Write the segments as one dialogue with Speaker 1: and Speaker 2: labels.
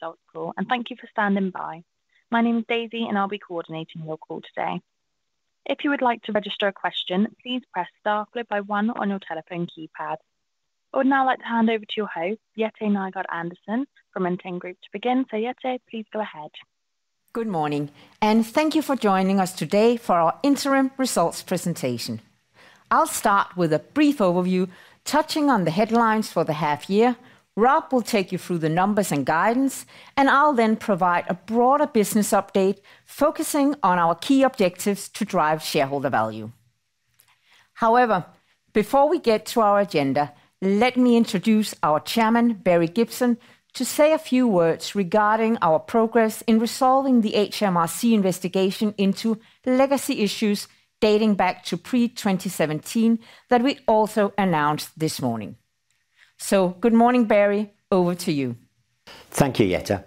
Speaker 1: results call. Thank you for standing by. My name is Daisy. I'll be coordinating your call today. If you would like to register a question, please press star followed by one on your telephone keypad. I would now like to hand over to your host, Jette Nygaard-Andersen, from Entain Group to begin. Jette, please go ahead.
Speaker 2: Good morning, thank you for joining us today for our interim results presentation. I'll start with a brief overview, touching on the headlines for the half year. Rob will take you through the numbers and guidance, and I'll then provide a broader business update, focusing on our key objectives to drive shareholder value. However, before we get to our agenda, let me introduce our Chairman, Barry Gibson, to say a few words regarding our progress in resolving the HMRC investigation into legacy issues dating back to pre-2017 that we also announced this morning. Good morning, Barry. Over to you.
Speaker 3: Thank you, Jette.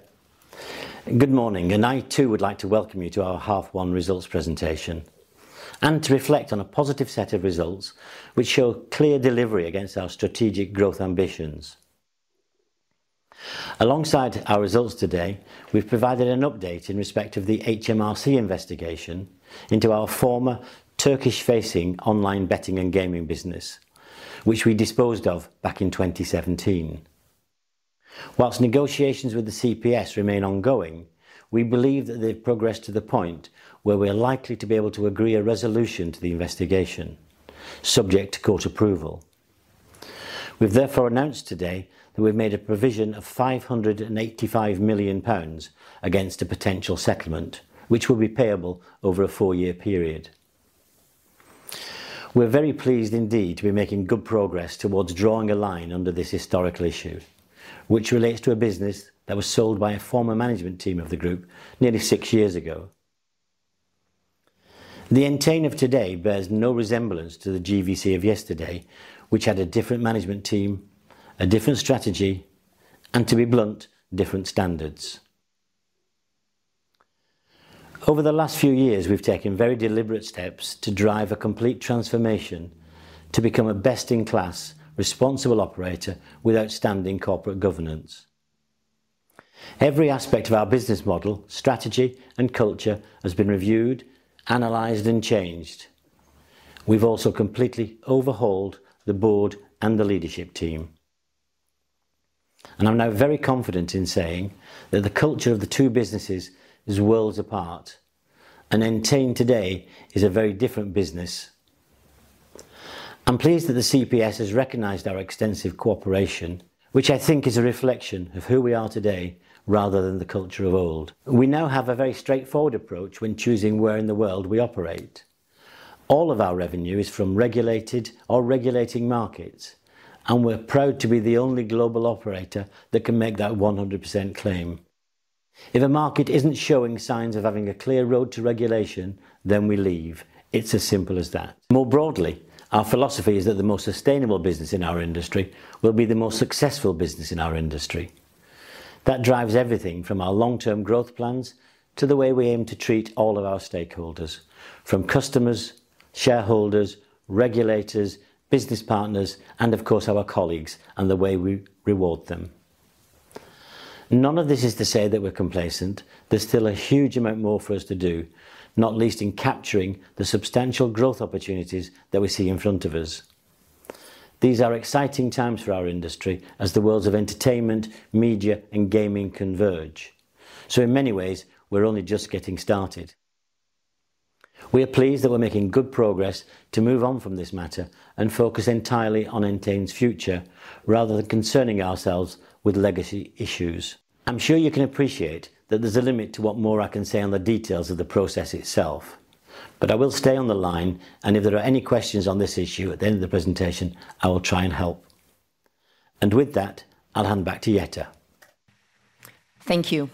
Speaker 3: Good morning, I, too, would like to welcome you to our half one results presentation and to reflect on a positive set of results which show clear delivery against our strategic growth ambitions. Alongside our results today, we've provided an update in respect of the HMRC investigation into our former Turkish-facing online betting and gaming business, which we disposed of back in 2017. While negotiations with the CPS remain ongoing, we believe that they've progressed to the point where we are likely to be able to agree a resolution to the investigation, subject to court approval. We've therefore announced today that we've made a provision of 585 million pounds against a potential settlement, which will be payable over a four-year period. We're very pleased indeed to be making good progress towards drawing a line under this historical issue, which relates to a business that was sold by a former management team of the group nearly six years ago. The Entain of today bears no resemblance to the GVC of yesterday, which had a different management team, a different strategy, and to be blunt, different standards. Over the last few years, we've taken very deliberate steps to drive a complete transformation to become a best-in-class, responsible operator with outstanding corporate governance. Every aspect of our business model, strategy, and culture has been reviewed, analyzed, and changed. We've also completely overhauled the board and the leadership team, and I'm now very confident in saying that the culture of the two businesses is worlds apart, and Entain today is a very different business. I'm pleased that the CPS has recognized our extensive cooperation, which I think is a reflection of who we are today rather than the culture of old. We now have a very straightforward approach when choosing where in the world we operate. All of our revenue is from regulated or regulating markets. We're proud to be the only global operator that can make that 100% claim. If a market isn't showing signs of having a clear road to regulation, then we leave. It's as simple as that. More broadly, our philosophy is that the most sustainable business in our industry will be the most successful business in our industry. That drives everything from our long-term growth plans to the way we aim to treat all of our stakeholders, from customers, shareholders, regulators, business partners, and of course, our colleagues and the way we reward them. None of this is to say that we're complacent. There's still a huge amount more for us to do, not least in capturing the substantial growth opportunities that we see in front of us. These are exciting times for our industry as the worlds of entertainment, media, and gaming converge. In many ways, we're only just getting started. We are pleased that we're making good progress to move on from this matter and focus entirely on Entain's future rather than concerning ourselves with legacy issues. I'm sure you can appreciate that there's a limit to what more I can say on the details of the process itself. I will stay on the line, and if there are any questions on this issue at the end of the presentation, I will try and help. With that, I'll hand back to Jette.
Speaker 2: Thank you.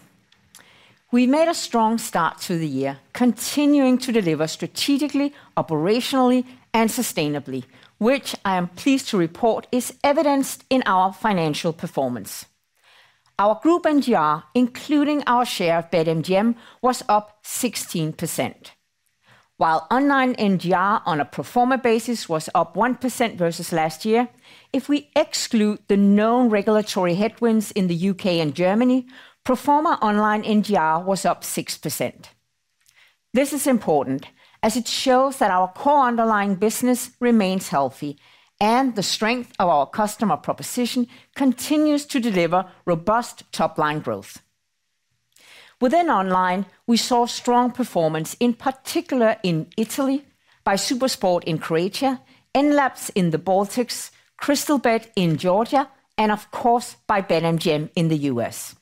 Speaker 2: We made a strong start to the year, continuing to deliver strategically, operationally, and sustainably, which I am pleased to report is evidenced in our financial performance. Our group NGR, including our share of BetMGM, was up 16%, while Online NGR on a pro forma basis was up 1% versus last year. If we exclude the known regulatory headwinds in the UK and Germany, pro forma online NGR was up 6%. This is important, as it shows that our core underlying business remains healthy and the strength of our customer proposition continues to deliver robust top-line growth. Within Online, we saw strong performance, in particular in Italy by SuperSport in Croatia, Enlabs in the Baltics, Crystalbet in Georgia, and of course, by BetMGM in the US.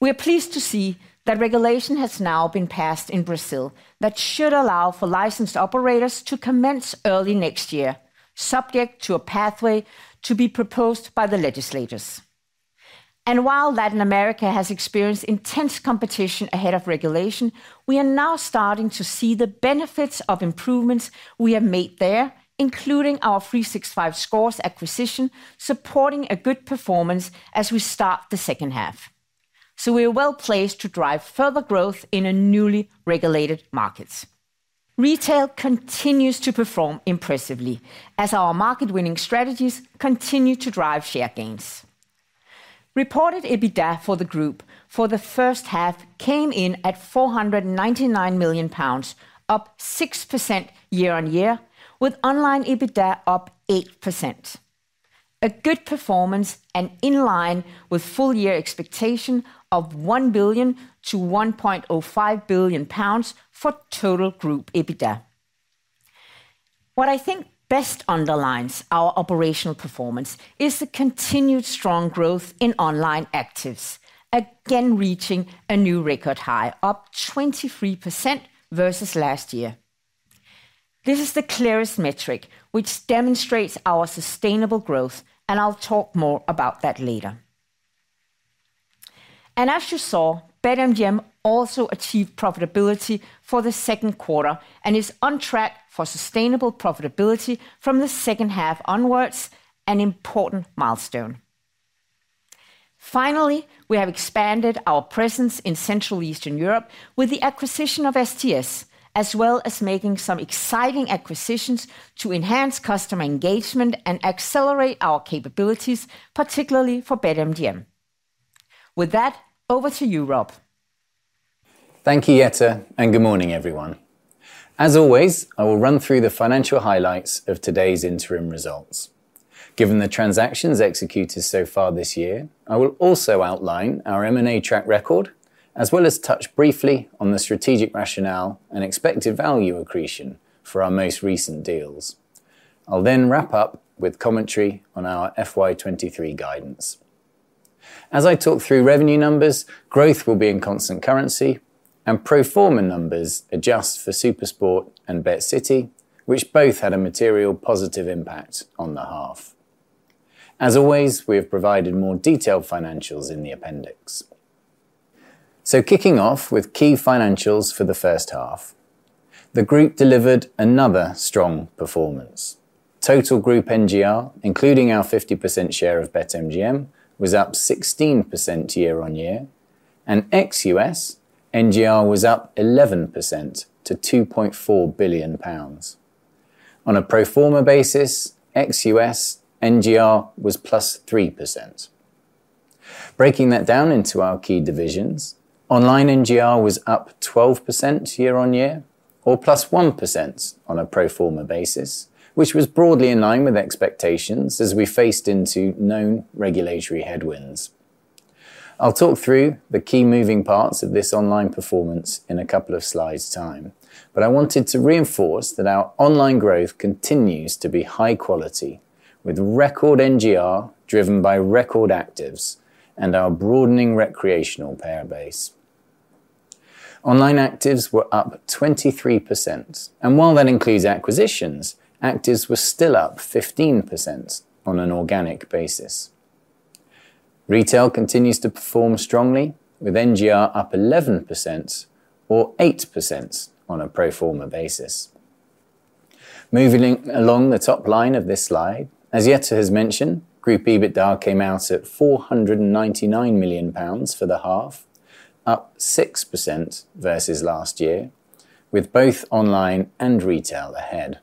Speaker 2: We are pleased to see that regulation has now been passed in Brazil that should allow for licensed operators to commence early next year, subject to a pathway to be proposed by the legislators. While Latin America has experienced intense competition ahead of regulation, we are now starting to see the benefits of improvements we have made there, including our 365Scores acquisition, supporting a good performance as we start the second half. We are well-placed to drive further growth in a newly regulated market. Retail continues to perform impressively as our market-winning strategies continue to drive share gains. Reported EBITDA for the group for the first half came in at 499 million pounds, up 6% year-on-year, with online EBITDA up 8%. A good performance in line with full year expectation of 1 billion-1.05 billion pounds for total group EBITDA. What I think best underlines our operational performance is the continued strong growth in online actives, again, reaching a new record high, up 23% versus last year. This is the clearest metric which demonstrates our sustainable growth. I'll talk more about that later. As you saw, BetMGM also achieved profitability for the Q2 and is on track for sustainable profitability from the second half onwards, an important milestone. Finally, we have expanded our presence in Central Eastern Europe with the acquisition of STS, as well as making some exciting acquisitions to enhance customer engagement and accelerate our capabilities, particularly for BetMGM. With that, over to you, Rob.
Speaker 4: Thank you, Jette, and good morning, everyone. As always, I will run through the financial highlights of today's interim results. Given the transactions executed so far this year, I will also outline our M&A track record, as well as touch briefly on the strategic rationale and expected value accretion for our most recent deals. I'll then wrap up with commentary on our FY 2023 guidance. As I talk through revenue numbers, growth will be in constant currency and pro forma numbers adjust for SuperSport and BetCity, which both had a material positive impact on the half. As always, we have provided more detailed financials in the appendix. Kicking off with key financials for the first half, the group delivered another strong performance. Total group NGR, including our 50% share of BetMGM, was up 16% year-on-year. Ex-U.S., NGR was up 11% to 2.4 billion pounds. On a pro forma basis, ex-U.S., NGR was +3%. Breaking that down into our key divisions, online NGR was up 12% year-on-year, or +1% on a pro forma basis, which was broadly in line with expectations as we faced into known regulatory headwinds. I'll talk through the key moving parts of this online performance in a couple of slides' time. I wanted to reinforce that our online growth continues to be high quality, with record NGR driven by record actives and our broadening recreational player base. Online actives were up 23%. While that includes acquisitions, actives were still up 15% on an organic basis. Retail continues to perform strongly, with NGR up 11% or 8% on a pro forma basis. Moving along the top line of this slide, as Jette has mentioned, group EBITDA came out at 499 million pounds for the half, up 6% versus last year, with both online and retail ahead.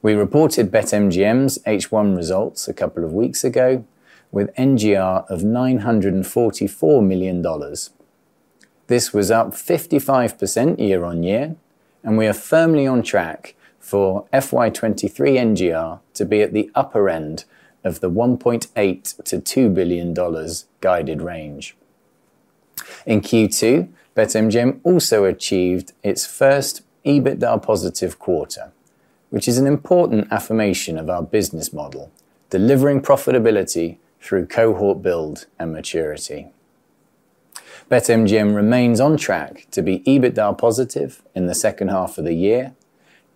Speaker 4: We reported BetMGM's H1 results a couple of weeks ago with NGR of $944 million. This was up 55% year-on-year. We are firmly on track for FY 2023 NGR to be at the upper end of the $1.8 billion to 2 billion guided range. In Q2, BetMGM also achieved its first EBITDA positive quarter, which is an important affirmation of our business model, delivering profitability through cohort build and maturity. BetMGM remains on track to be EBITDA positive in the second half of the year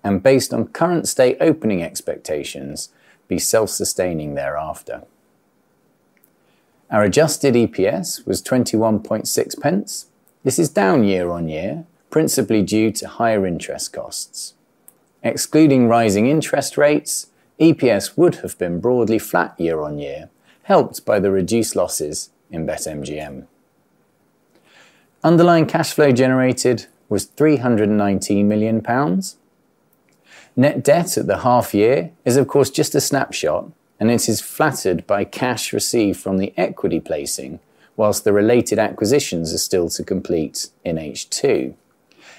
Speaker 4: and based on current state opening expectations, be self-sustaining thereafter. Our adjusted EPS was 21.6 pence. This is down year-on-year, principally due to higher interest costs. Excluding rising interest rates, EPS would have been broadly flat year-on-year, helped by the reduced losses in BetMGM. Underlying cash flow generated was 319 million pounds. Net debt at the half year is, of course, just a snapshot, and it is flattered by cash received from the equity placing, whilst the related acquisitions are still to complete in H2.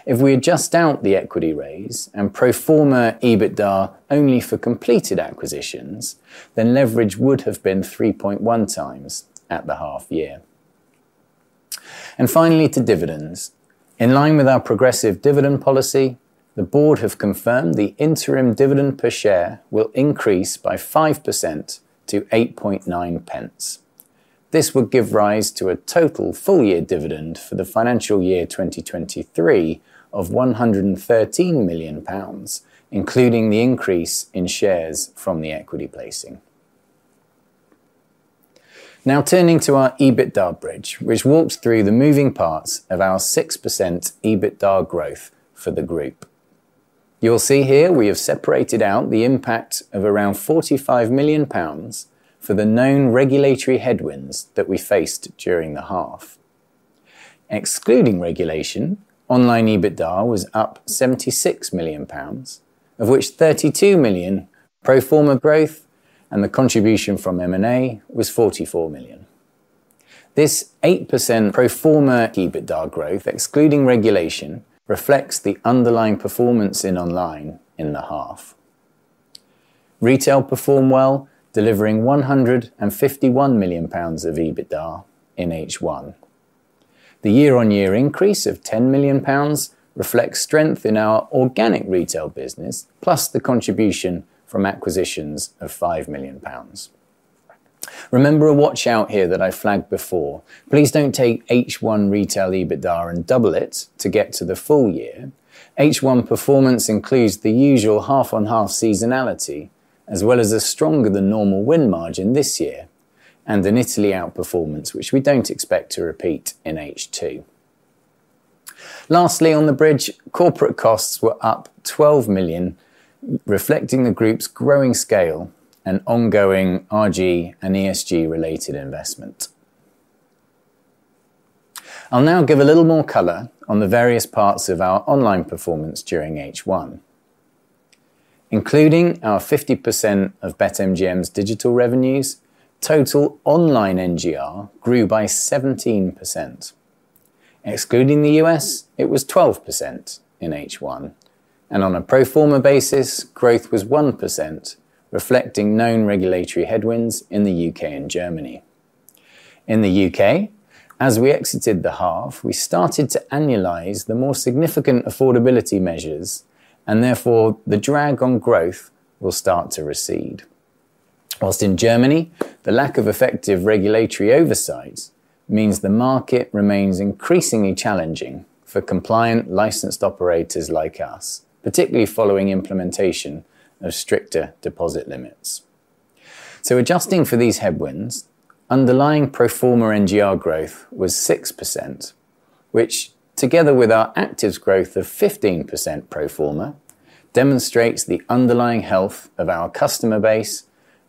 Speaker 4: If we adjust out the equity raise and pro forma EBITDA only for completed acquisitions, leverage would have been 3.1x at the half year. Finally, to dividends. In line with our progressive dividend policy, the board have confirmed the interim dividend per share will increase by 5% to 8.9 pence. This would give rise to a total full-year dividend for the financial year 2023 of 113 million pounds, including the increase in shares from the equity placing. Turning to our EBITDA bridge, which walks through the moving parts of our 6% EBITDA growth for the group. You'll see here we have separated out the impact of around 45 million pounds for the known regulatory headwinds that we faced during the half. Excluding regulation, online EBITDA was up 76 million pounds, of which 32 million pro forma growth, and the contribution from M&A was 44 million. This 8% pro forma EBITDA growth, excluding regulation, reflects the underlying performance in online in the half. Retail performed well, delivering 151 million pounds of EBITDA in H1. The year-on-year increase of 10 million pounds reflects strength in our organic retail business, plus the contribution from acquisitions of 5 million pounds. Remember, a watch out here that I flagged before, please don't take H1 retail EBITDA and double it to get to the full year. H1 performance includes the usual half-on-half seasonality, as well as a stronger-than-normal win margin this year and an Italy outperformance, which we don't expect to repeat in H2. Lastly, on the bridge, corporate costs were up 12 million, reflecting the group's growing scale and ongoing RG and ESG-related investment. I'll now give a little more color on the various parts of our online performance during H1. Including our 50% of BetMGM's digital revenues, total online NGR grew by 17%. Excluding the US, it was 12% in H1, and on a pro forma basis, growth was 1%, reflecting known regulatory headwinds in the UK and Germany. In the UK, as we exited the half, we started to annualize the more significant affordability measures, and therefore, the drag on growth will start to recede. Whilst in Germany, the lack of effective regulatory oversight means the market remains increasingly challenging for compliant licensed operators like us, particularly following implementation of stricter deposit limits. Adjusting for these headwinds, underlying pro forma NGR growth was 6%, which, together with our actives growth of 15% pro forma, demonstrates the underlying health of our customer base,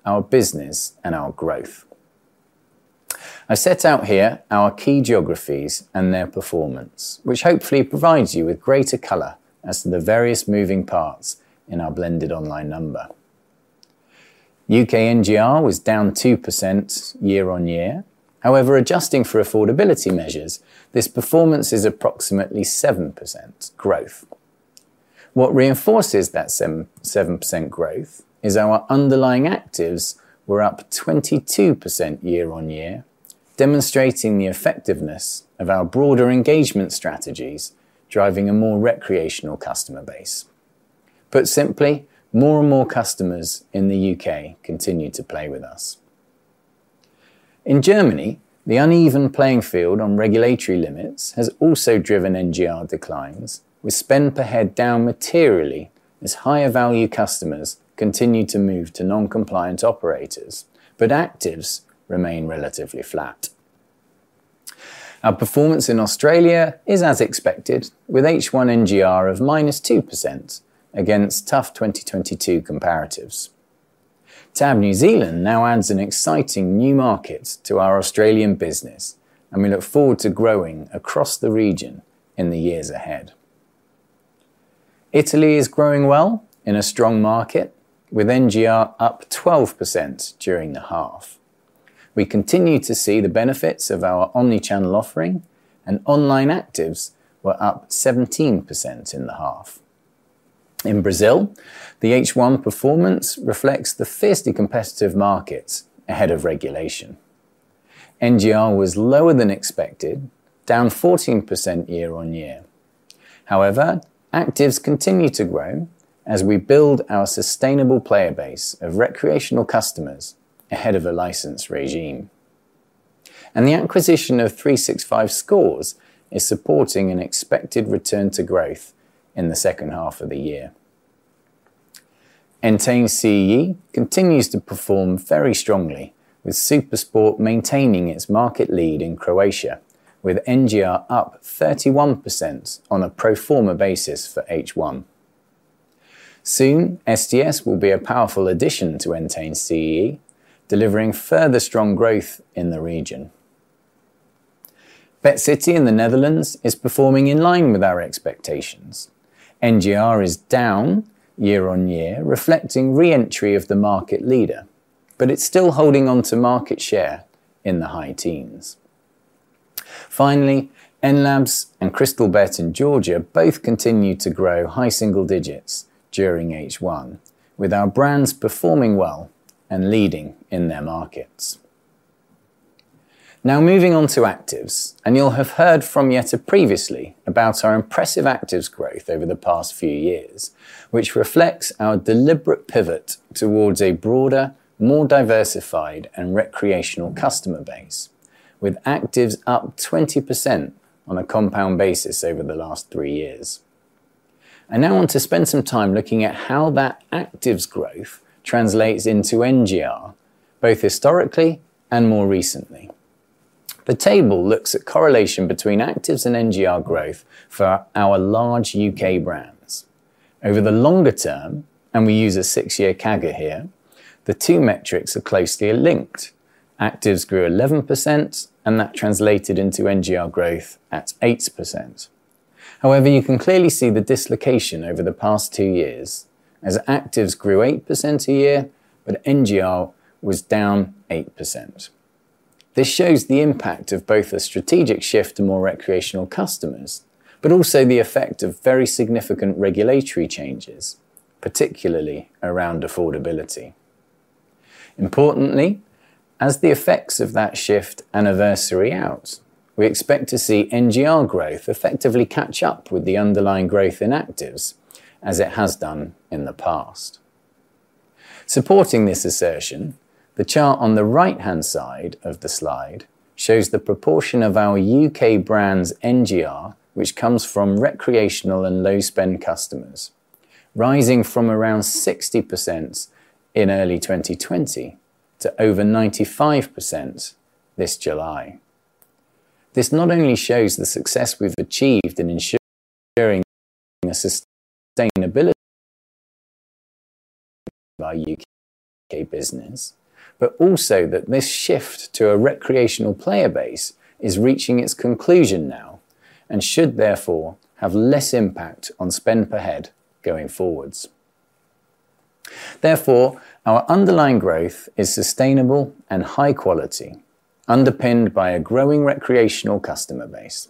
Speaker 4: our business, and our growth. I set out here our key geographies and their performance, which hopefully provides you with greater color as to the various moving parts in our blended online number. UK NGR was down 2% year-on-year. However, adjusting for affordability measures, this performance is approximately 7% growth. What reinforces that 7% growth is our underlying actives were up 22% year-on-year, demonstrating the effectiveness of our broader engagement strategies, driving a more recreational customer base. Put simply, more and more customers in the UK continue to play with us. In Germany, the uneven playing field on regulatory limits has also driven NGR declines, with spend per head down materially as higher-value customers continue to move to non-compliant operators, but actives remain relatively flat. Our performance in Australia is as expected, with H1 NGR of -2% against tough 2022 comparatives. TAB New Zealand now adds an exciting new market to our Australian business, and we look forward to growing across the region in the years ahead. Italy is growing well in a strong market, with NGR up 12% during the half. We continue to see the benefits of our omni-channel offering, and online actives were up 17% in the half. In Brazil, the H1 performance reflects the fiercely competitive markets ahead of regulation. NGR was lower than expected, down 14% year-on-year. However, actives continue to grow as we build our sustainable player base of recreational customers ahead of a licensed regime. The acquisition of 365Scores is supporting an expected return to growth in the second half of the year. Entain CEE continues to perform very strongly, with SuperSport maintaining its market lead in Croatia, with NGR up 31% on a pro forma basis for H1. Soon, STS will be a powerful addition to Entain CEE, delivering further strong growth in the region. BetCity in the Netherlands is performing in line with our expectations. NGR is down year-on-year, reflecting re-entry of the market leader, but it's still holding on to market share in the high teens. Enlabs and Crystalbet in Georgia both continued to grow high single digits during H1, with our brands performing well and leading in their markets. Moving on to actives, you'll have heard from Jette previously about our impressive actives growth over the past few years, which reflects our deliberate pivot towards a broader, more diversified and recreational customer base, with actives up 20% on a compound basis over the last 3 years. I now want to spend some time looking at how that actives growth translates into NGR, both historically and more recently. The table looks at correlation between actives and NGR growth for our large UK brands. Over the longer term, and we use a six-year CAGR here, the two metrics are closely linked. Actives grew 11%, and that translated into NGR growth at 8%. You can clearly see the dislocation over the past two years as actives grew 8% a year, but NGR was down 8%. This shows the impact of both a strategic shift to more recreational customers, but also the effect of very significant regulatory changes, particularly around affordability. Importantly, as the effects of that shift anniversary out, we expect to see NGR growth effectively catch up with the underlying growth in actives, as it has done in the past. Supporting this assertion, the chart on the right-hand side of the slide shows the proportion of our U.K. brands NGR, which comes from recreational and low-spend customers, rising from around 60% in early 2020 to over 95% this July. This not only shows the success we've achieved in ensuring the sustainability of our U.K. business, also that this shift to a recreational player base is reaching its conclusion now and should therefore have less impact on spend per head going forwards. Our underlying growth is sustainable and high quality, underpinned by a growing recreational customer base.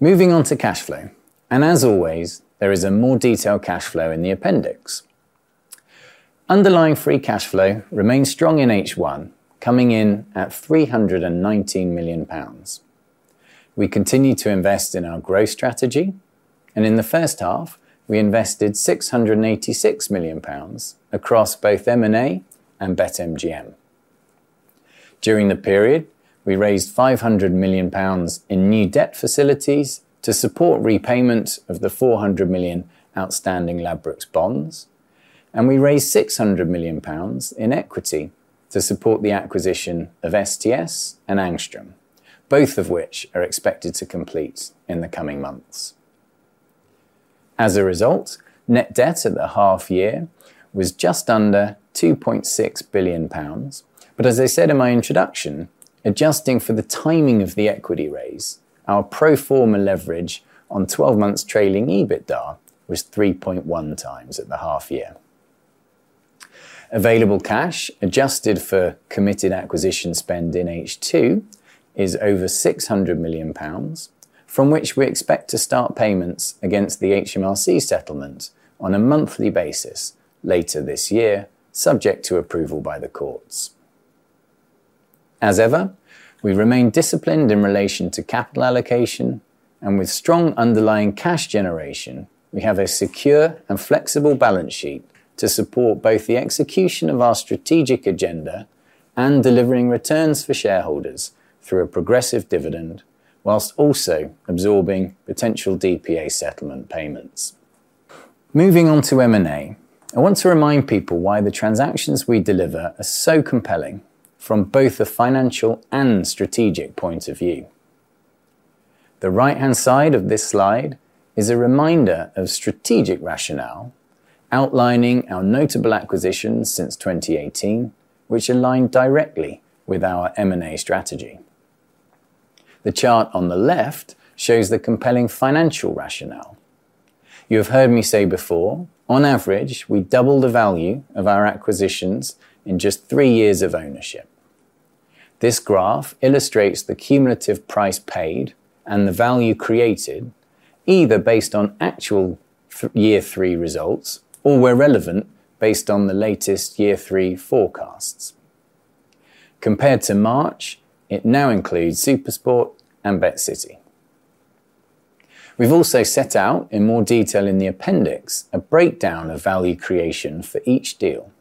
Speaker 4: Moving on to cash flow, as always, there is a more detailed cash flow in the appendix. Underlying free cash flow remains strong in H1, coming in at 319 million pounds. We continue to invest in our growth strategy, in the first half, we invested 686 million pounds across both M&A and BetMGM. During the period, we raised 500 million pounds in new debt facilities to support repayment of the 400 million outstanding Ladbrokes bonds, and we raised 600 million pounds in equity to support the acquisition of STS and Angstrom, both of which are expected to complete in the coming months. As a result, net debt at the half year was just under 2.6 billion pounds. As I said in my introduction, adjusting for the timing of the equity raise, our pro forma leverage on 12 months trailing EBITDA was 3.1x at the half year. Available cash, adjusted for committed acquisition spend in H2, is over 600 million pounds, from which we expect to start payments against the HMRC settlement on a monthly basis later this year, subject to approval by the courts. As ever, we remain disciplined in relation to capital allocation and with strong underlying cash generation, we have a secure and flexible balance sheet to support both the execution of our strategic agenda and delivering returns for shareholders through a progressive dividend, while also absorbing potential DPA settlement payments. Moving on to M&A, I want to remind people why the transactions we deliver are so compelling from both a financial and strategic point of view. The right-hand side of this slide is a reminder of strategic rationale, outlining our notable acquisitions since 2018, which align directly with our M&A strategy. The chart on the left shows the compelling financial rationale. You have heard me say before, on average, we double the value of our acquisitions in just three years of ownership. This graph illustrates the cumulative price paid and the value created, either based on actual year three results or, where relevant, based on the latest year three forecasts. Compared to March, it now includes SuperSport and BetCity. We've also set out, in more detail in the appendix, a breakdown of value creation for each deal.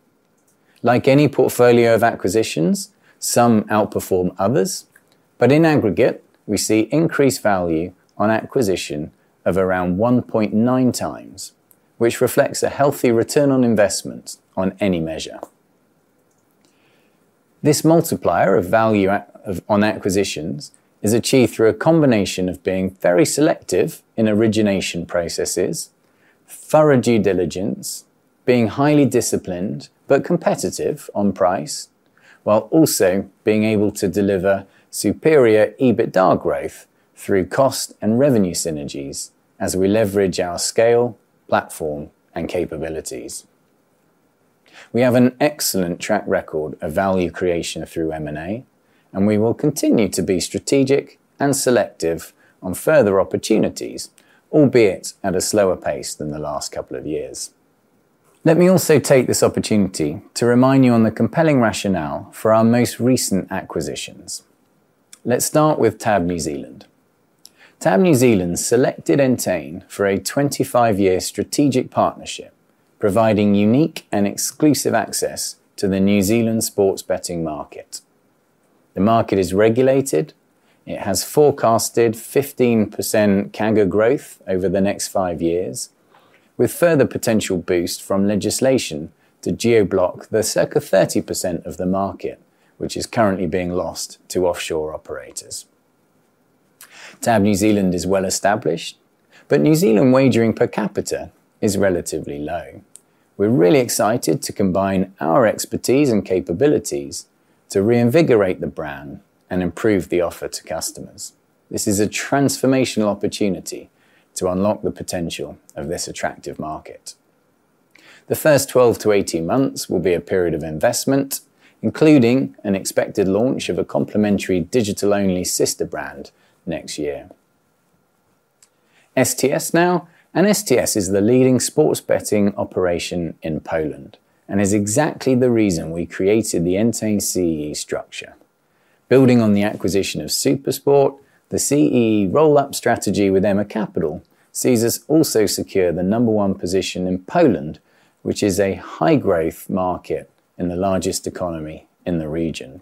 Speaker 4: Like any portfolio of acquisitions, some outperform others, but in aggregate, we see increased value on acquisition of around 1.9x, which reflects a healthy return on investment on any measure. This multiplier of value of acquisitions is achieved through a combination of being very selective in origination processes, thorough due diligence, being highly disciplined but competitive on price, while also being able to deliver superior EBITDA growth through cost and revenue synergies as we leverage our scale, platform, and capabilities. We have an excellent track record of value creation through M&A. We will continue to be strategic and selective on further opportunities, albeit at a slower pace than the last couple of years. Let me also take this opportunity to remind you on the compelling rationale for our most recent acquisitions. Let's start with TAB New Zealand. TAB New Zealand selected Entain for a 25-year strategic partnership, providing unique and exclusive access to the New Zealand sports betting market.... The market is regulated, it has forecasted 15% CAGR growth over the next 5 years, with further potential boost from legislation to geo-block the circa 30% of the market, which is currently being lost to offshore operators. TAB New Zealand is well established, but New Zealand wagering per capita is relatively low. We're really excited to combine our expertise and capabilities to reinvigorate the brand and improve the offer to customers. This is a transformational opportunity to unlock the potential of this attractive market. The first 12-18 months will be a period of investment, including an expected launch of a complementary digital-only sister brand next year. STS now, STS is the leading sports betting operation in Poland and is exactly the reason we created the Entain CEE structure. Building on the acquisition of SuperSport, the CEE roll-up strategy with EMMA Capital sees us also secure the number 1 position in Poland, which is a high-growth market in the largest economy in the region.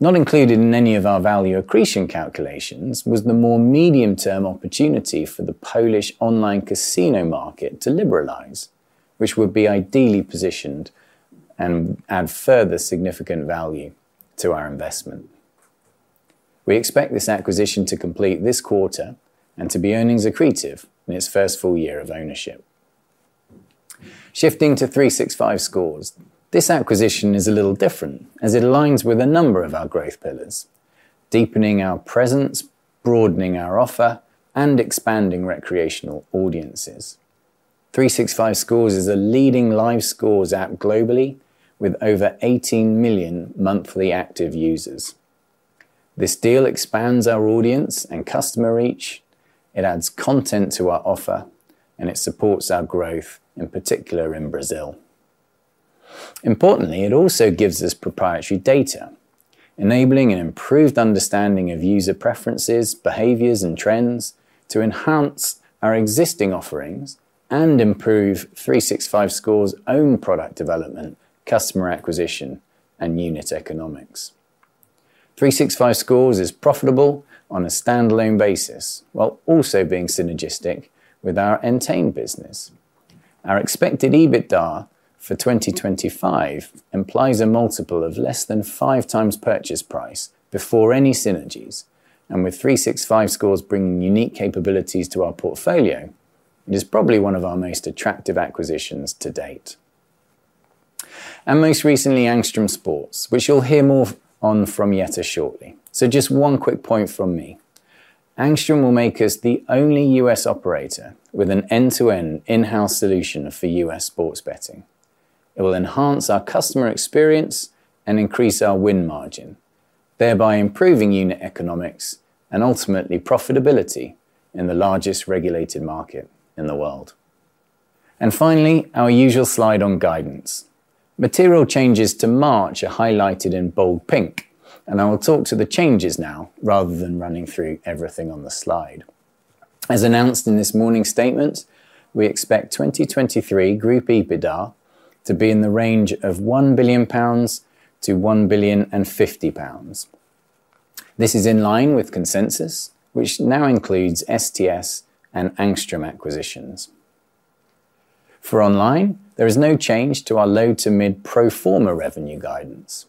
Speaker 4: Not included in any of our value accretion calculations was the more medium-term opportunity for the Polish online casino market to liberalize, which would be ideally positioned and add further significant value to our investment. We expect this acquisition to complete this quarter and to be earnings accretive in its first full year of ownership. Shifting to 365Scores, this acquisition is a little different as it aligns with a number of our growth pillars, deepening our presence, broadening our offer, and expanding recreational audiences. 365Scores is a leading live scores app globally with over 18 million monthly active users. This deal expands our audience and customer reach, it adds content to our offer, and it supports our growth, in particular in Brazil. Importantly, it also gives us proprietary data, enabling an improved understanding of user preferences, behaviors, and trends to enhance our existing offerings and improve 365Scores' own product development, customer acquisition, and unit economics. 365Scores is profitable on a standalone basis, while also being synergistic with our Entain business. Our expected EBITDA for 2025 implies a multiple of less than 5x purchase price before any synergies. With 365Scores bringing unique capabilities to our portfolio, it is probably one of our most attractive acquisitions to date. Most recently, Angstrom Sports, which you'll hear more on from Jette shortly. Just one quick point from me. Angstrom will make us the only U.S. operator with an end-to-end in-house solution for U.S. sports betting. It will enhance our customer experience and increase our win margin, thereby improving unit economics and ultimately profitability in the largest regulated market in the world. Finally, our usual slide on guidance. Material changes to March are highlighted in bold pink, and I will talk to the changes now rather than running through everything on the slide. As announced in this morning's statement, we expect 2023 Group EBITDA to be in the range of 1 billion-1.05 billion pounds. This is in line with consensus, which now includes STS and Angstrom acquisitions. For online, there is no change to our low-to-mid pro forma revenue guidance.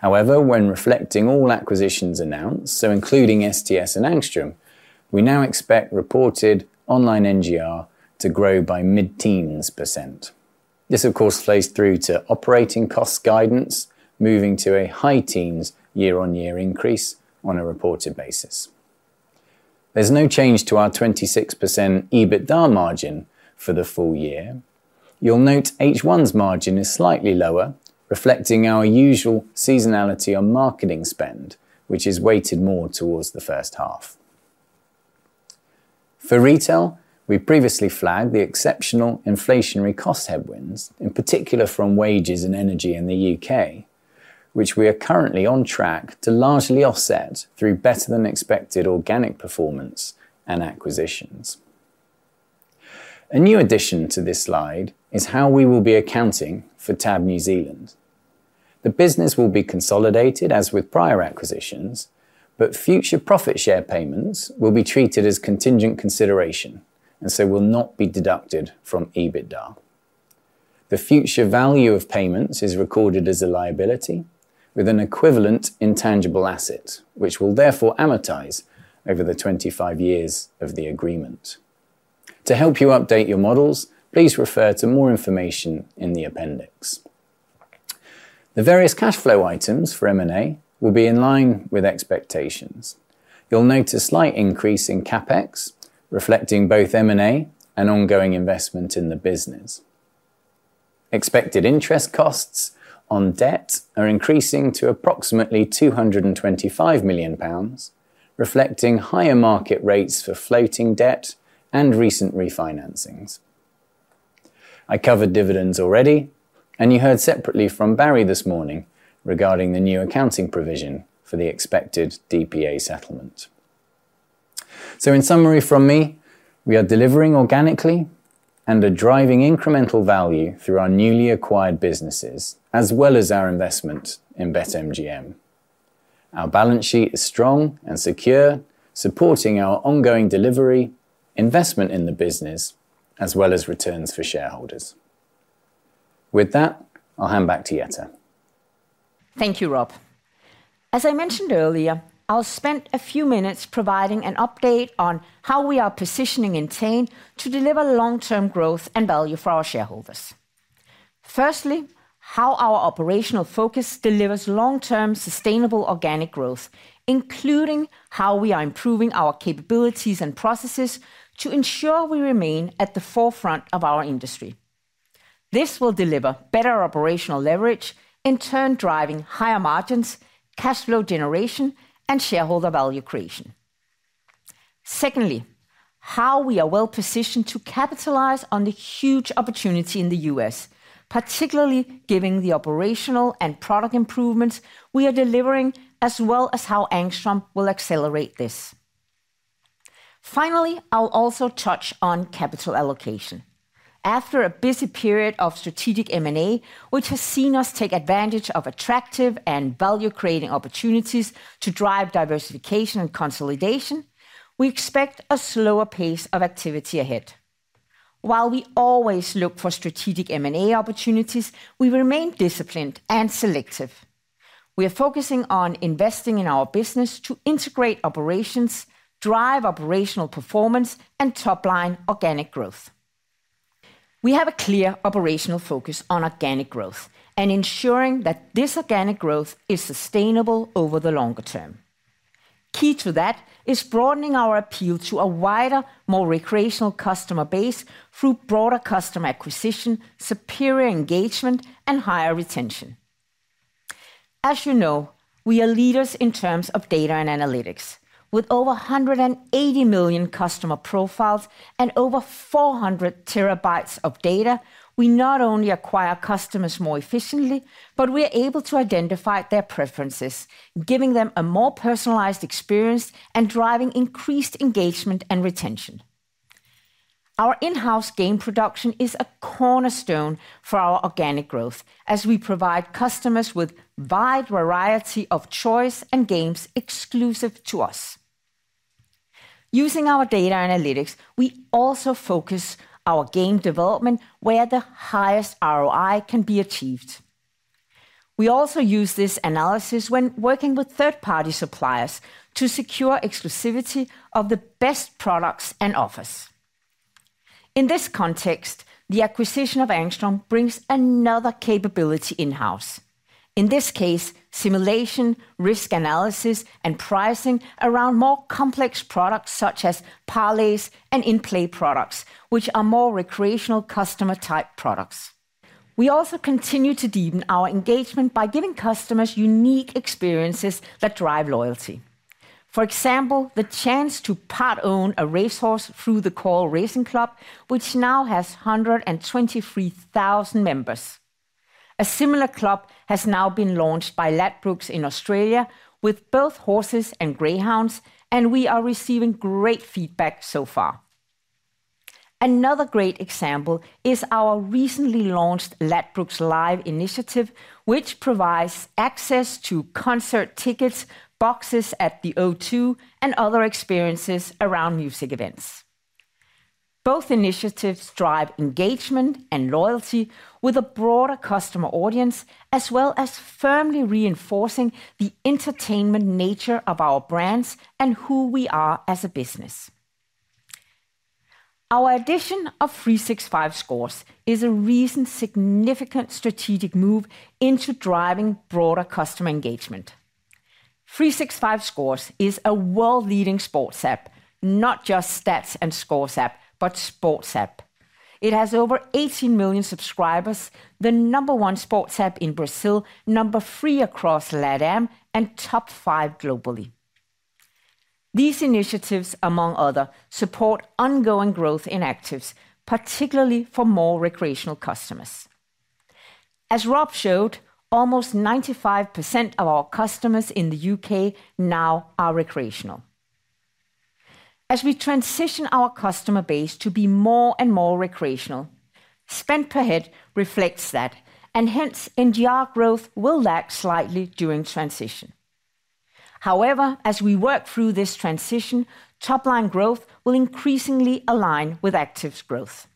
Speaker 4: When reflecting all acquisitions announced, so including STS and Angstrom, we now expect reported online NGR to grow by mid-teens percent. This, of course, flows through to operating cost guidance, moving to a high teens year-on-year increase on a reported basis. There's no change to our 26% EBITDA margin for the full year. You'll note H one's margin is slightly lower, reflecting our usual seasonality on marketing spend, which is weighted more towards the first half. For retail, we previously flagged the exceptional inflationary cost headwinds, in particular from wages and energy in the UK, which we are currently on track to largely offset through better-than-expected organic performance and acquisitions. A new addition to this slide is how we will be accounting for TAB New Zealand. The business will be consolidated, as with prior acquisitions, but future profit share payments will be treated as contingent consideration and so will not be deducted from EBITDA. The future value of payments is recorded as a liability with an equivalent intangible asset, which will therefore amortize over the 25 years of the agreement. To help you update your models, please refer to more information in the appendix. The various cash flow items for M&A will be in line with expectations. You'll note a slight increase in CapEx, reflecting both M&A and ongoing investment in the business. Expected interest costs on debt are increasing to approximately 225 million pounds, reflecting higher market rates for floating debt and recent refinancings. I covered dividends already. You heard separately from Barry this morning regarding the new accounting provision for the expected DPA settlement. In summary from me, we are delivering organically and are driving incremental value through our newly acquired businesses, as well as our investment in BetMGM. Our balance sheet is strong and secure, supporting our ongoing delivery, investment in the business, as well as returns for shareholders. With that, I'll hand back to Jette.
Speaker 2: Thank you, Rob. As I mentioned earlier, I'll spend a few minutes providing an update on how we are positioning Entain to deliver long-term growth and value for our shareholders. Firstly, how our operational focus delivers long-term, sustainable, organic growth, including how we are improving our capabilities and processes to ensure we remain at the forefront of our industry. This will deliver better operational leverage, in turn, driving higher margins, cash flow generation, and shareholder value creation. Secondly, how we are well-positioned to capitalize on the huge opportunity in the U.S., particularly giving the operational and product improvements we are delivering, as well as how Angstrom will accelerate this. Finally, I'll also touch on capital allocation. After a busy period of strategic M&A, which has seen us take advantage of attractive and value-creating opportunities to drive diversification and consolidation, we expect a slower pace of activity ahead. While we always look for strategic M&A opportunities, we remain disciplined and selective. We are focusing on investing in our business to integrate operations, drive operational performance, and top-line organic growth. We have a clear operational focus on organic growth and ensuring that this organic growth is sustainable over the longer term. Key to that is broadening our appeal to a wider, more recreational customer base through broader customer acquisition, superior engagement, and higher retention. As you know, we are leaders in terms of data and analytics. With over 180 million customer profiles and over 400 terabytes of data, we not only acquire customers more efficiently, but we are able to identify their preferences, giving them a more personalized experience and driving increased engagement and retention. Our in-house game production is a cornerstone for our organic growth as we provide customers with wide variety of choice and games exclusive to us. Using our data analytics, we also focus our game development where the highest ROI can be achieved. We also use this analysis when working with third-party suppliers to secure exclusivity of the best products and offers. In this context, the acquisition of Angstrom brings another capability in-house. In this case, simulation, risk analysis, and pricing around more complex products, such as parlays and in-play products, which are more recreational customer-type products. We also continue to deepen our engagement by giving customers unique experiences that drive loyalty. For example, the chance to part-own a racehorse through the Coral Racing Club, which now has 123,000 members. A similar club has now been launched by Ladbrokes in Australia with both horses and greyhounds. We are receiving great feedback so far. Another great example is our recently launched Ladbrokes LIVE initiative, which provides access to concert tickets, boxes at the O2, and other experiences around music events. Both initiatives drive engagement and loyalty with a broader customer audience, as well as firmly reinforcing the entertainment nature of our brands and who we are as a business. Our addition of 365Scores is a recent significant strategic move into driving broader customer engagement. 365Scores is a world-leading sports app, not just stats and scores app, but sports app. It has over 18 million subscribers, the number 1 sports app in Brazil, number 3 across LATAM, and top 5 globally. These initiatives, among other, support ongoing growth in actives, particularly for more recreational customers. As Rob showed, almost 95% of our customers in the U.K. now are recreational. As we transition our customer base to be more and more recreational, spend per head reflects that, and hence NGR growth will lag slightly during transition. However, as we work through this transition, top-line growth will increasingly align with actives growth.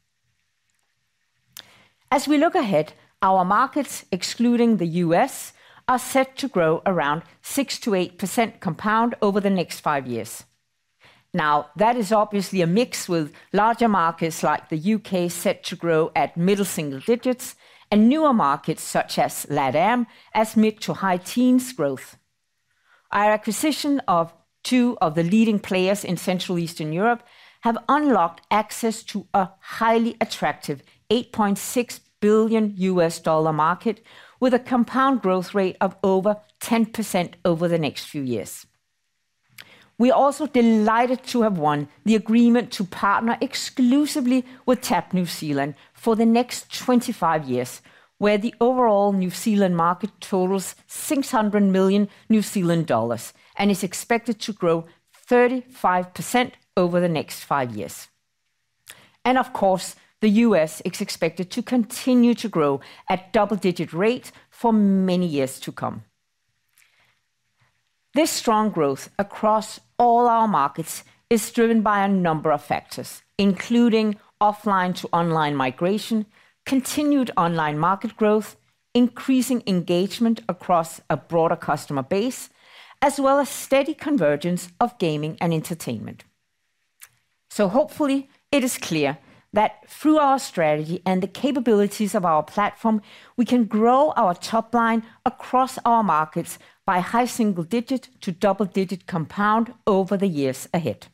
Speaker 2: As we look ahead, our markets, excluding the U.S., are set to grow around 6 to 8% compound over the next 5 years. That is obviously a mix, with larger markets like the U.K. set to grow at middle single digits, and newer markets, such as LATAM, as mid to high teens growth. Our acquisition of two of the leading players in Central Eastern Europe have unlocked access to a highly attractive $8.6 billion market, with a compound growth rate of over 10% over the next few years. We are also delighted to have won the agreement to partner exclusively with TAB New Zealand for the next 25 years, where the overall New Zealand market totals 600 million New Zealand dollars and is expected to grow 35% over the next 5 years. Of course, the US is expected to continue to grow at double-digit rate for many years to come. This strong growth across all our markets is driven by a number of factors, including offline-to-online migration, continued online market growth, increasing engagement across a broader customer base, as well as steady convergence of gaming and entertainment. Hopefully it is clear that through our strategy and the capabilities of our platform, we can grow our top line across our markets by high single-digit to double-digit compound over the years ahead.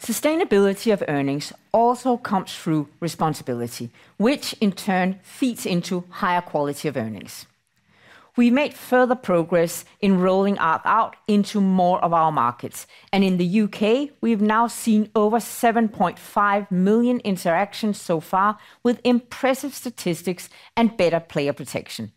Speaker 2: Sustainability of earnings also comes through responsibility, which in turn feeds into higher quality of earnings. We made further progress in rolling ARC out into more of our markets, and in the UK, we've now seen over 7.5 million interactions so far, with impressive statistics and better player protection.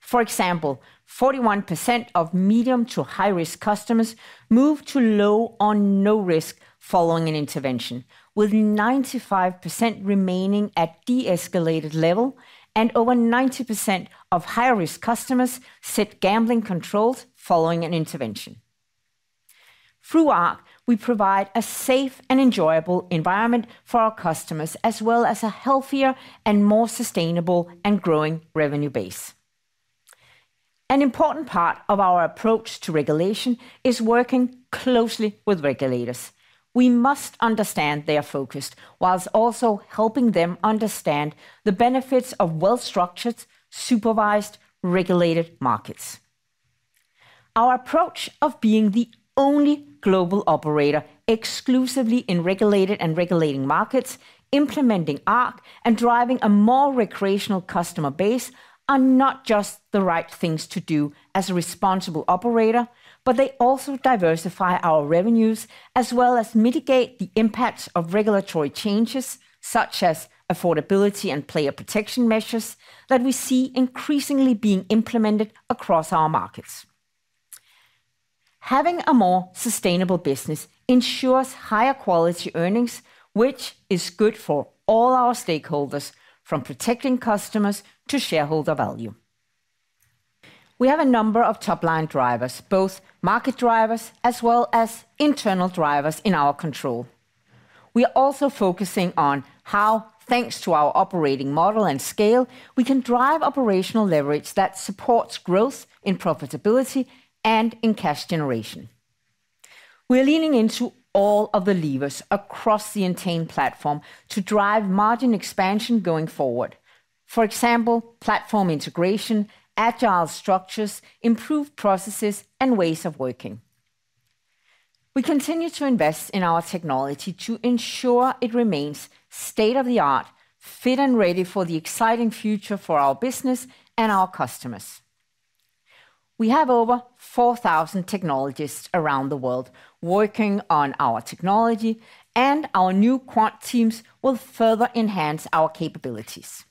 Speaker 2: For example, 41% of medium to high-risk customers moved to low or no risk following an intervention, with 95% remaining at de-escalated level, and over 90% of high-risk customers set gambling controls following an intervention. Through ARC, we provide a safe and enjoyable environment for our customers, as well as a healthier and more sustainable and growing revenue base. An important part of our approach to regulation is working closely with regulators. We must understand their focus, while also helping them understand the benefits of well-structured, supervised, regulated markets. Our approach of being the only global operator exclusively in regulated and regulating markets, implementing ARC, and driving a more recreational customer base, are not just the right things to do as a responsible operator, but they also diversify our revenues, as well as mitigate the impacts of regulatory changes, such as affordability and player protection measures that we see increasingly being implemented across our markets. Having a more sustainable business ensures higher quality earnings, which is good for all our stakeholders, from protecting customers to shareholder value. We have a number of top-line drivers, both market drivers as well as internal drivers in our control. We are also focusing on how, thanks to our operating model and scale, we can drive operational leverage that supports growth in profitability and in cash generation. We are leaning into all of the levers across the Entain platform to drive margin expansion going forward. For example, platform integration, agile structures, improved processes, and ways of working. We continue to invest in our technology to ensure it remains state-of-the-art, fit and ready for the exciting future for our business and our customers. We have over 4,000 technologists around the world working on our technology, and our new quant teams will further enhance our capabilities.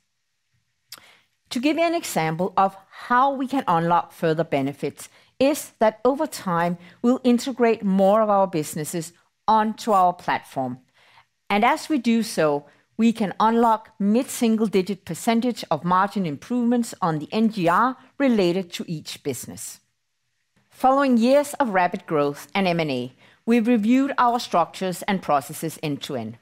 Speaker 2: To give you an example of how we can unlock further benefits is that over time, we'll integrate more of our businesses onto our platform, and as we do so, we can unlock mid-single-digit percentage of margin improvements on the NGR related to each business. Following years of rapid growth and M&A, we've reviewed our structures and processes end to end.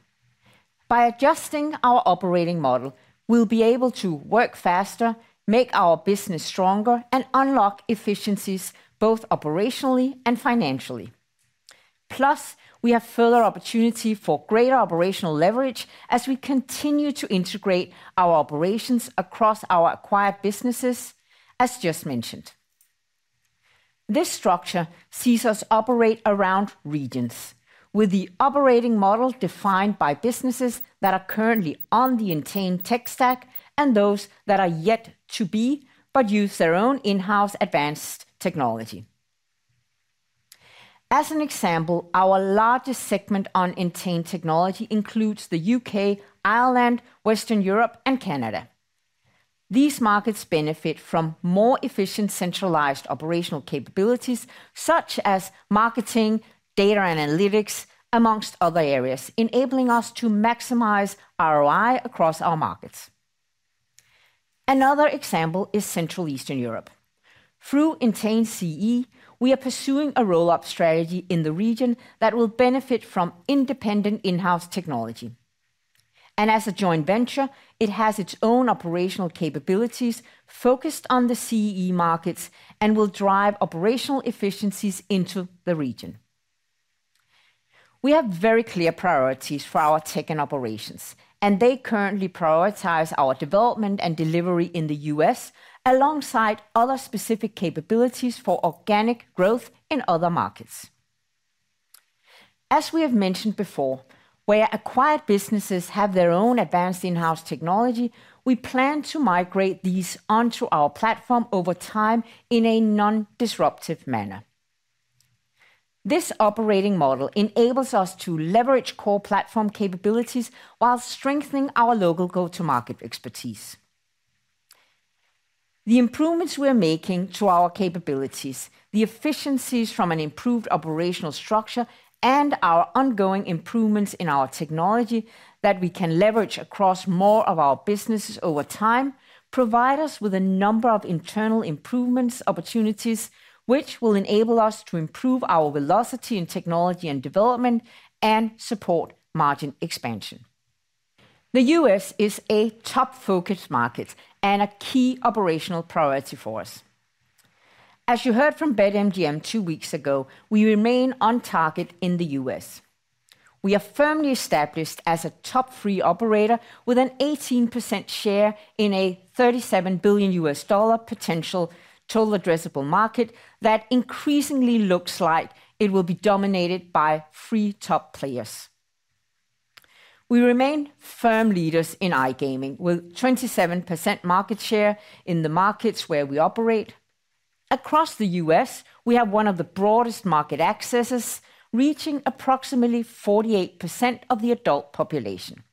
Speaker 2: By adjusting our operating model, we'll be able to work faster, make our business stronger, and unlock efficiencies both operationally and financially. Plus, we have further opportunity for greater operational leverage as we continue to integrate our operations across our acquired businesses, as just mentioned. This structure sees us operate around regions, with the operating model defined by businesses that are currently on the Entain tech stack and those that are yet to be, but use their own in-house advanced technology. As an example, our largest segment on Entain technology includes the UK, Ireland, Western Europe, and Canada. These markets benefit from more efficient, centralized operational capabilities, such as marketing, data analytics, amongst other areas, enabling us to maximize ROI across our markets. Another example is Central Eastern Europe. Through Entain CEE, we are pursuing a roll-up strategy in the region that will benefit from independent in-house technology, and as a joint venture, it has its own operational capabilities focused on the CEE markets and will drive operational efficiencies into the region. We have very clear priorities for our tech and operations, and they currently prioritize our development and delivery in the U.S., alongside other specific capabilities for organic growth in other markets. As we have mentioned before, where acquired businesses have their own advanced in-house technology, we plan to migrate these onto our platform over time in a non-disruptive manner. This operating model enables us to leverage core platform capabilities while strengthening our local go-to-market expertise. The improvements we are making to our capabilities, the efficiencies from an improved operational structure, and our ongoing improvements in our technology that we can leverage across more of our businesses over time, provide us with a number of internal improvements opportunities, which will enable us to improve our velocity in technology and development, and support margin expansion. The U.S. is a top focus market and a key operational priority for us. As you heard from BetMGM two weeks ago, we remain on target in the U.S. We are firmly established as a top three operator with an 18% share in a $37 billion potential total addressable market that increasingly looks like it will be dominated by three top players. We remain firm leaders in iGaming, with 27% market share in the markets where we operate. Across the U.S., we have one of the broadest market accesses, reaching approximately 48% of the adult population.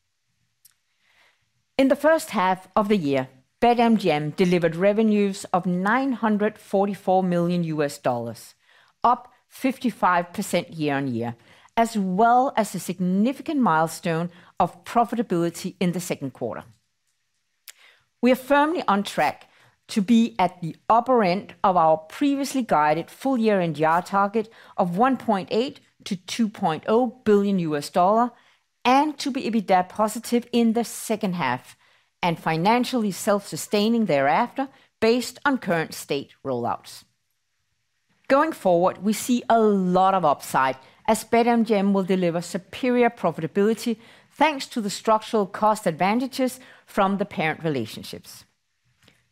Speaker 2: In the first half of the year, BetMGM delivered revenues of $944 million, up 55% year-on-year, as well as a significant milestone of profitability in the Q2. We are firmly on track to be at the upper end of our previously guided full year NGR target of $1.8 billion to 2 billion, and to be EBITDA positive in the second half, and financially self-sustaining thereafter, based on current state rollouts. Going forward, we see a lot of upside as BetMGM will deliver superior profitability, thanks to the structural cost advantages from the parent relationships.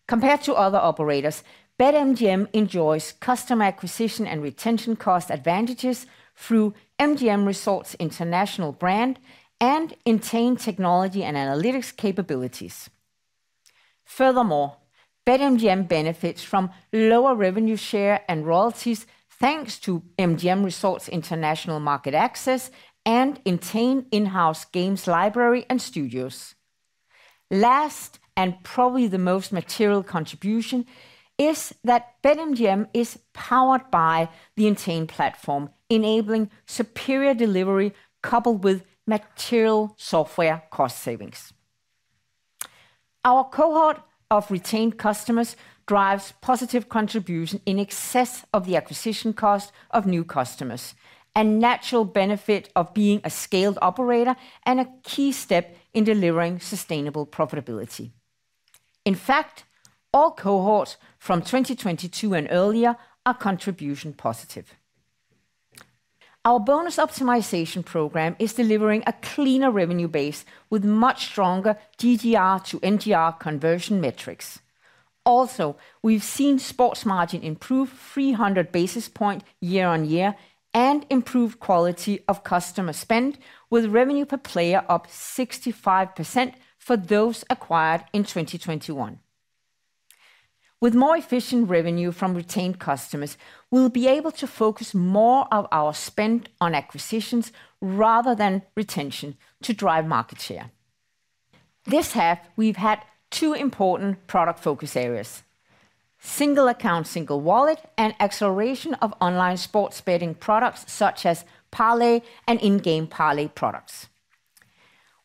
Speaker 2: Compared to other operators, BetMGM enjoys customer acquisition and retention cost advantages through MGM Resorts International brand and Entain technology and analytics capabilities. Furthermore, BetMGM benefits from lower revenue share and royalties, thanks to MGM Resorts International market access and Entain in-house games library and studios. Last, and probably the most material contribution, is that BetMGM is powered by the Entain platform, enabling superior delivery coupled with material software cost savings. Our cohort of retained customers drives positive contribution in excess of the acquisition cost of new customers, a natural benefit of being a scaled operator and a key step in delivering sustainable profitability. In fact, all cohorts from 2022 and earlier are contribution positive. Our bonus optimization program is delivering a cleaner revenue base with much stronger GGR to NGR conversion metrics. Also, we've seen sports margin improve 300 basis points year-over-year, and improve quality of customer spend, with revenue per player up 65% for those acquired in 2021. With more efficient revenue from retained customers, we'll be able to focus more of our spend on acquisitions rather than retention to drive market share. This half, we've had 2 important product focus areas: Single Account Single Wallet, and acceleration of online sports betting products, such as parlay and in-game parlay products.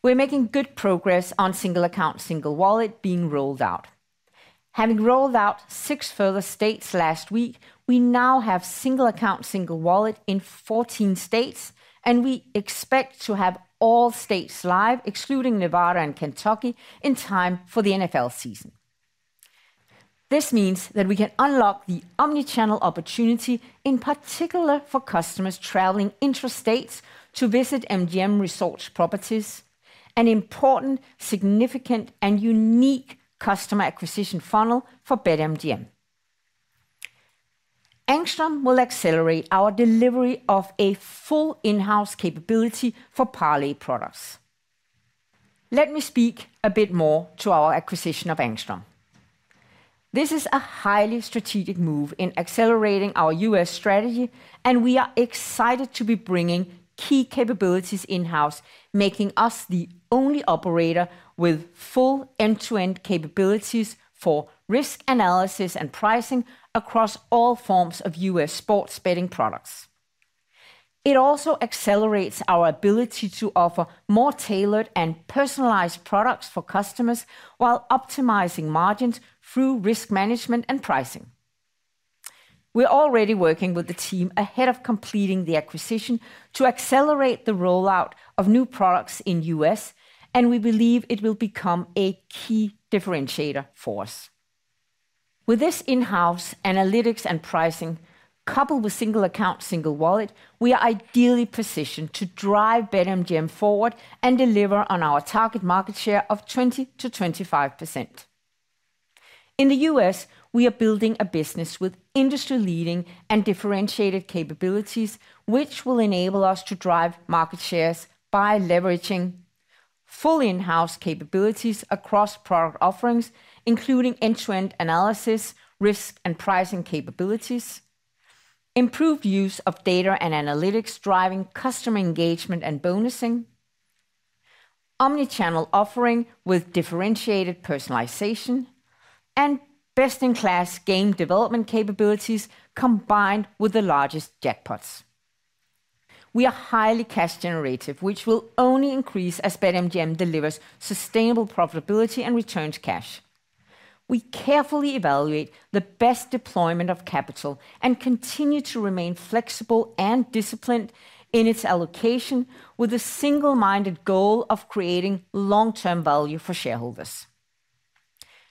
Speaker 2: We're making good progress on Single Account Single Wallet being rolled out. Having rolled out 6 further states last week, we now have Single Account Single Wallet in 14 states, and we expect to have all states live, excluding Nevada and Kentucky, in time for the NFL season. This means that we can unlock the omni-channel opportunity, in particular for customers traveling intrastates to visit MGM Resorts properties, an important, significant, and unique customer acquisition funnel for BetMGM. Angstrom will accelerate our delivery of a full in-house capability for parlay products. Let me speak a bit more to our acquisition of Angstrom. This is a highly strategic move in accelerating our U.S. strategy, and we are excited to be bringing key capabilities in-house, making us the only operator with full end-to-end capabilities for risk analysis and pricing across all forms of U.S. sports betting products. It also accelerates our ability to offer more tailored and personalized products for customers while optimizing margins through risk management and pricing. We're already working with the team ahead of completing the acquisition to accelerate the rollout of new products in U.S., and we believe it will become a key differentiator for us. With this in-house analytics and pricing, coupled with Single Account Single Wallet, we are ideally positioned to drive BetMGM forward and deliver on our target market share of 20 to 25%. In the U.S., we are building a business with industry-leading and differentiated capabilities, which will enable us to drive market shares by leveraging full in-house capabilities across product offerings, including end-to-end analysis, risk and pricing capabilities, improved use of data and analytics, driving customer engagement and bonusing. omni-channel offering with differentiated personalization and best-in-class game development capabilities, combined with the largest jackpots. We are highly cash generative, which will only increase as BetMGM delivers sustainable profitability and returns cash. We carefully evaluate the best deployment of capital and continue to remain flexible and disciplined in its allocation, with a single-minded goal of creating long-term value for shareholders.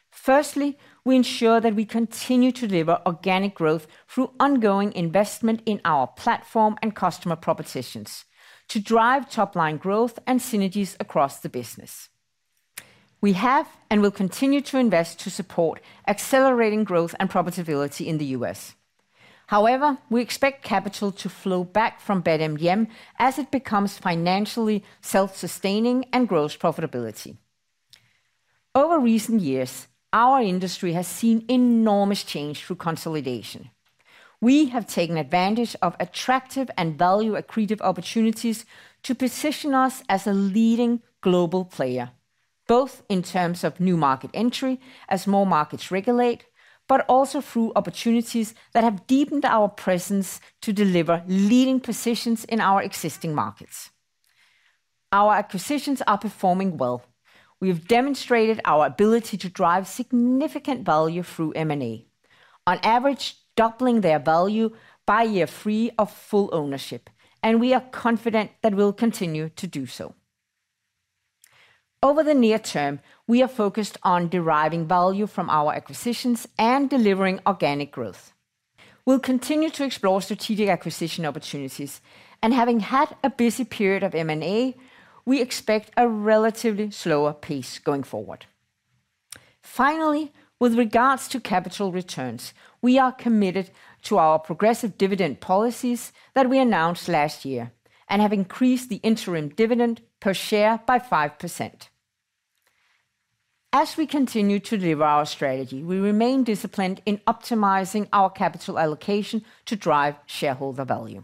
Speaker 2: Firstly, we ensure that we continue to deliver organic growth through ongoing investment in our platform and customer propositions to drive top-line growth and synergies across the business. We have and will continue to invest to support accelerating growth and profitability in the U.S. However, we expect capital to flow back from BetMGM as it becomes financially self-sustaining and grows profitability. Over recent years, our industry has seen enormous change through consolidation. We have taken advantage of attractive and value-accretive opportunities to position us as a leading global player, both in terms of new market entry as more markets regulate, but also through opportunities that have deepened our presence to deliver leading positions in our existing markets. Our acquisitions are performing well. We have demonstrated our ability to drive significant value through M&A, on average, doubling their value by year three of full ownership, and we are confident that we'll continue to do so. Over the near term, we are focused on deriving value from our acquisitions and delivering organic growth. We'll continue to explore strategic acquisition opportunities, and having had a busy period of M&A, we expect a relatively slower pace going forward. Finally, with regards to capital returns, we are committed to our progressive dividend policies that we announced last year and have increased the interim dividend per share by 5%. As we continue to deliver our strategy, we remain disciplined in optimizing our capital allocation to drive shareholder value.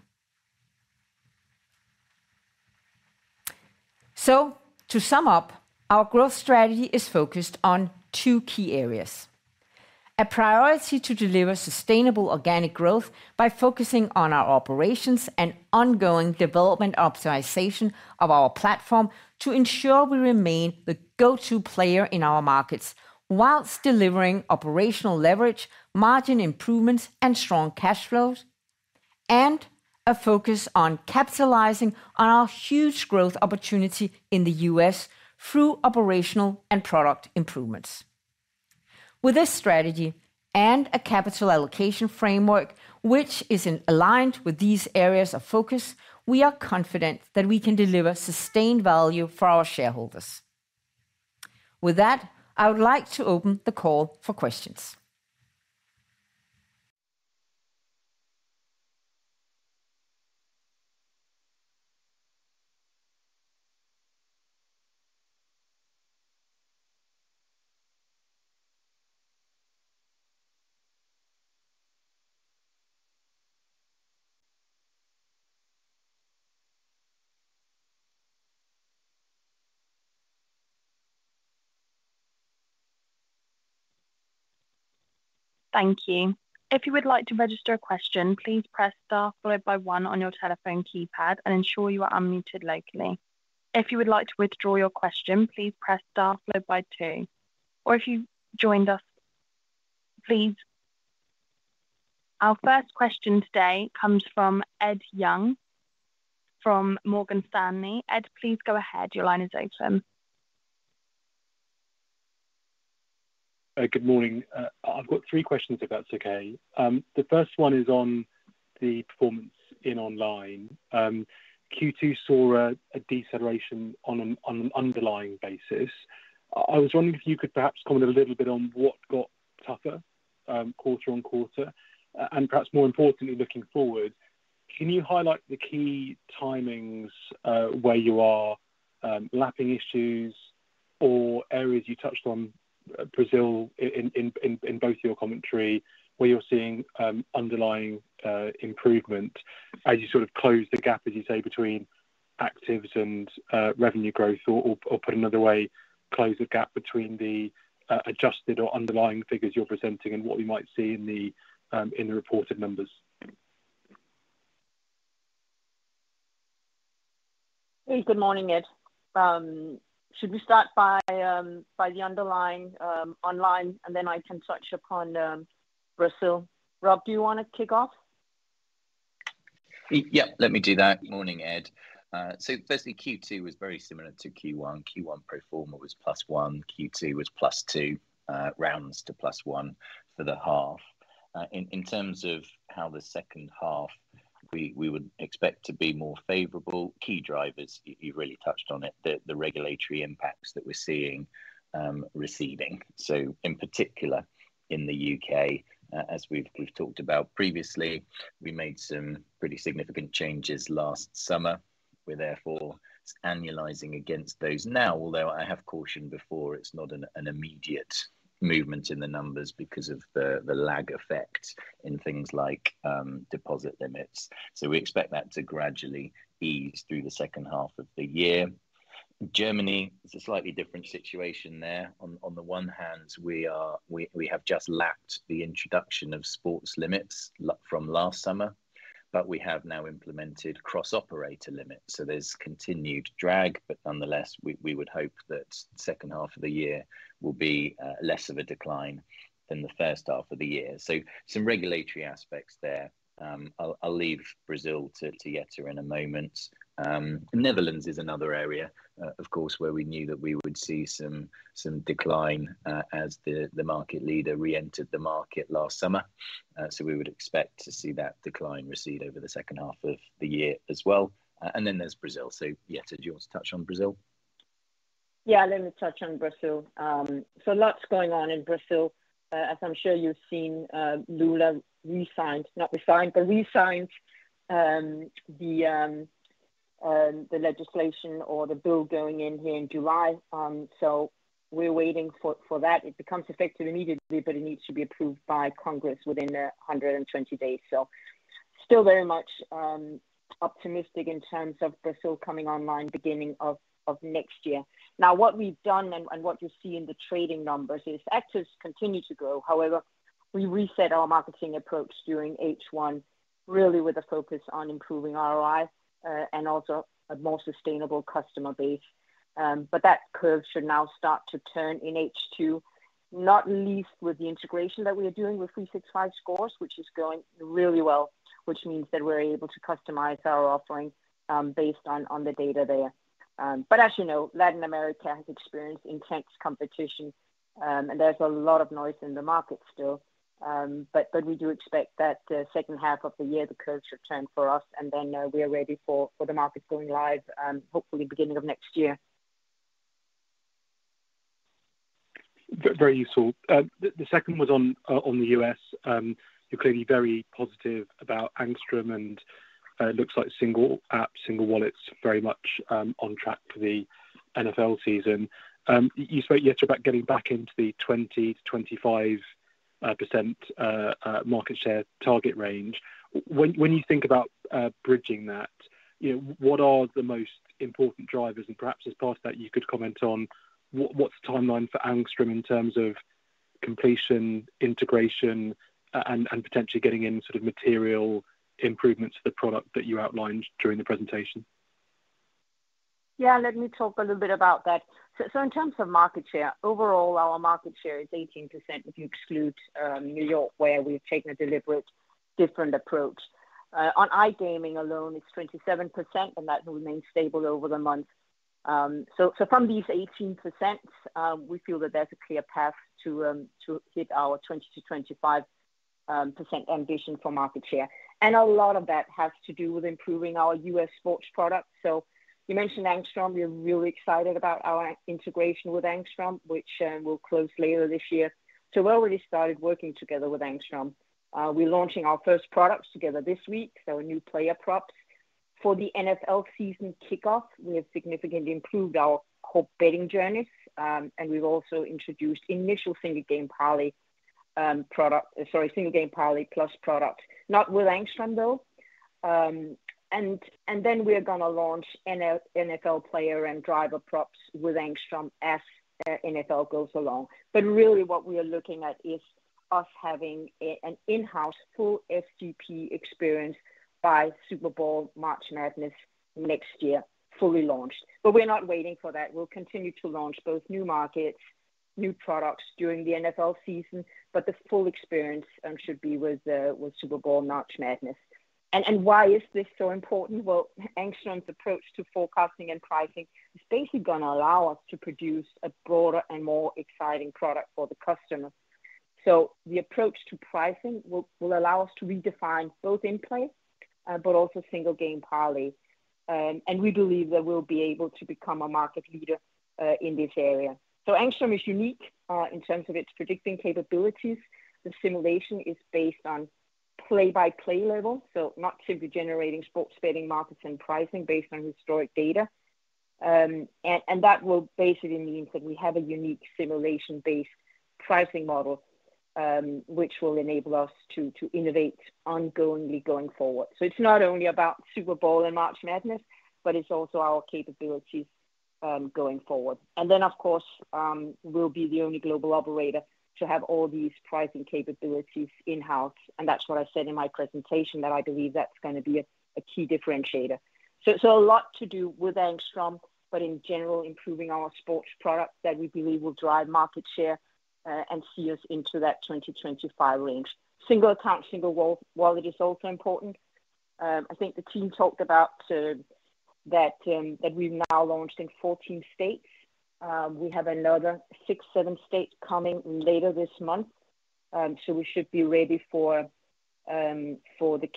Speaker 2: To sum up, our growth strategy is focused on 2 key areas: a priority to deliver sustainable organic growth by focusing on our operations and ongoing development optimization of our platform to ensure we remain the go-to player in our markets, whilst delivering operational leverage, margin improvements, and strong cash flows, and a focus on capitalizing on our huge growth opportunity in the US through operational and product improvements. With this strategy and a capital allocation framework, which is in aligned with these areas of focus, we are confident that we can deliver sustained value for our shareholders. With that, I would like to open the call for questions.
Speaker 1: Thank you. If you would like to register a question, please press star followed by one on your telephone keypad and ensure you are unmuted locally. If you would like to withdraw your question, please press star followed by two, or if you've joined us, please... Our first question today comes from Ed Young, from Morgan Stanley. Ed, please go ahead. Your line is open.
Speaker 5: Good morning. I've got 3 questions, if that's okay. The first one is on the performance in online. Q2 saw a deceleration on an underlying basis. I was wondering if you could perhaps comment a little bit on what got tougher quarter-on-quarter, and perhaps more importantly, looking forward, can you highlight the key timings where you are lapping issues or areas you touched on Brazil in both your commentary, where you're seeing underlying improvement as you sort of close the gap, as you say, between actives and revenue growth, or put another way, close the gap between the adjusted or underlying figures you're presenting and what we might see in the reported numbers?
Speaker 6: Hey, good morning, Ed. Should we start by by the underlying online, and then I can touch upon Brazil? Rob, do you want to kick off?
Speaker 4: Yeah, let me do that. Morning, Ed. Firstly, Q2 was very similar to Q1. Q1 pro forma was +1, Q2 was +2, rounds to +1 for the half. In, in terms of how the second half we, we would expect to be more favorable, key drivers, you, you really touched on it, the, the regulatory impacts that we're seeing, receiving. In particular, in the U.K., as we've, we've talked about previously, we made some pretty significant changes last summer. We're therefore annualizing against those now, although I have cautioned before, it's not an, an immediate movement in the numbers because of the, the lag effect in things like, deposit limits. We expect that to gradually ease through the second half of the year.... Germany is a slightly different situation there. On the one hand, we, we have just lapped the introduction of sports limits from last summer, We have now implemented cross-operator limits, There's continued drag, Nonetheless, we, we would hope that second half of the year will be less of a decline than the first half of the year. Some regulatory aspects there. I'll, I'll leave Brazil to, to Jette in a moment. Netherlands is another area, of course, where we knew that we would see some, some decline, as the, the market leader reentered the market last summer. We would expect to see that decline recede over the second half of the year as well. Then there's Brazil. Jette, do you want to touch on Brazil?
Speaker 2: Yeah, let me touch on Brazil. Lots going on in Brazil. As I'm sure you've seen, Lula resigned, not resigned, but resigned, the legislation or the bill going in here in July. We're waiting for, for that. It becomes effective immediately, but it needs to be approved by Congress within 120 days. Still very much optimistic in terms of Brazil coming online beginning of next year. Now, what we've done and, and what you see in the trading numbers is actors continue to grow. However, we reset our marketing approach during H1, really with a focus on improving ROI, and also a more sustainable customer base. That curve should now start to turn in H2, not least with the integration that we are doing with 365Scores, which is going really well, which means that we're able to customize our offering, based on, on the data there. As you know, Latin America has experienced intense competition, and there's a lot of noise in the market still. We do expect that the second half of the year, the curves return for us, and then we are ready for, for the market going live, hopefully beginning of next year.
Speaker 5: Very useful. The, the second was on, on the U.S. You're clearly very positive about Angstrom, and it looks like Single App Single Wallet's very much on track for the NFL season. You spoke, Jette, about getting back into the 20 to 25% market share target range. When, when you think about bridging that, you know, what are the most important drivers? Perhaps as part of that, you could comment on what, what's the timeline for Angstrom in terms of completion, integration, and, and potentially getting in sort of material improvements to the product that you outlined during the presentation?
Speaker 2: Yeah, let me talk a little bit about that. In terms of market share, overall, our market share is 18%, if you exclude New York, where we've taken a deliberate different approach. On iGaming alone, it's 27%, and that remains stable over the month. From these 18%, we feel that there's a clear path to hit our 20 to 25% ambition for market share. A lot of that has to do with improving our U.S. sports product. You mentioned Angstrom. We're really excited about our integration with Angstrom, which will close later this year. We've already started working together with Angstrom. We're launching our first products together this week, so a new player props. For the NFL season kickoff, we have significantly improved our core betting journeys, and we've also introduced initial single game parlay, product, sorry, single game parlay plus product, not with Angstrom, though. We are gonna launch NFL player and driver props with Angstrom as NFL goes along. Really, what we are looking at is us having an in-house full SGP experience by Super Bowl, March Madness next year, fully launched. We're not waiting for that. We'll continue to launch both new markets, new products during the NFL season, but the full experience should be with Super Bowl, March Madness. Why is this so important? Well, Angstrom's approach to forecasting and pricing is basically gonna allow us to produce a broader and more exciting product for the customer. The approach to pricing will, will allow us to redefine both in-play, but also single game parlay. We believe that we'll be able to become a market leader in this area. Angstrom is unique in terms of its predicting capabilities. The simulation is based on play-by-play level, so not simply generating sports betting markets and pricing based on historic data. That will basically means that we have a unique simulation-based pricing model, which will enable us to, to innovate ongoingly going forward. It's not only about Super Bowl and March Madness, but it's also our capabilities going forward. Then, of course, we'll be the only global operator to have all these pricing capabilities in-house. That's what I said in my presentation, that I believe that's gonna be a key differentiator. A lot to do with Angstrom, but in general, improving our sports product that we believe will drive market share and see us into that 2025 range. Single Account Single Wallet is also important. I think the team talked about that we've now launched in 14 states. We have another six, seven states coming later this month, so we should be ready for the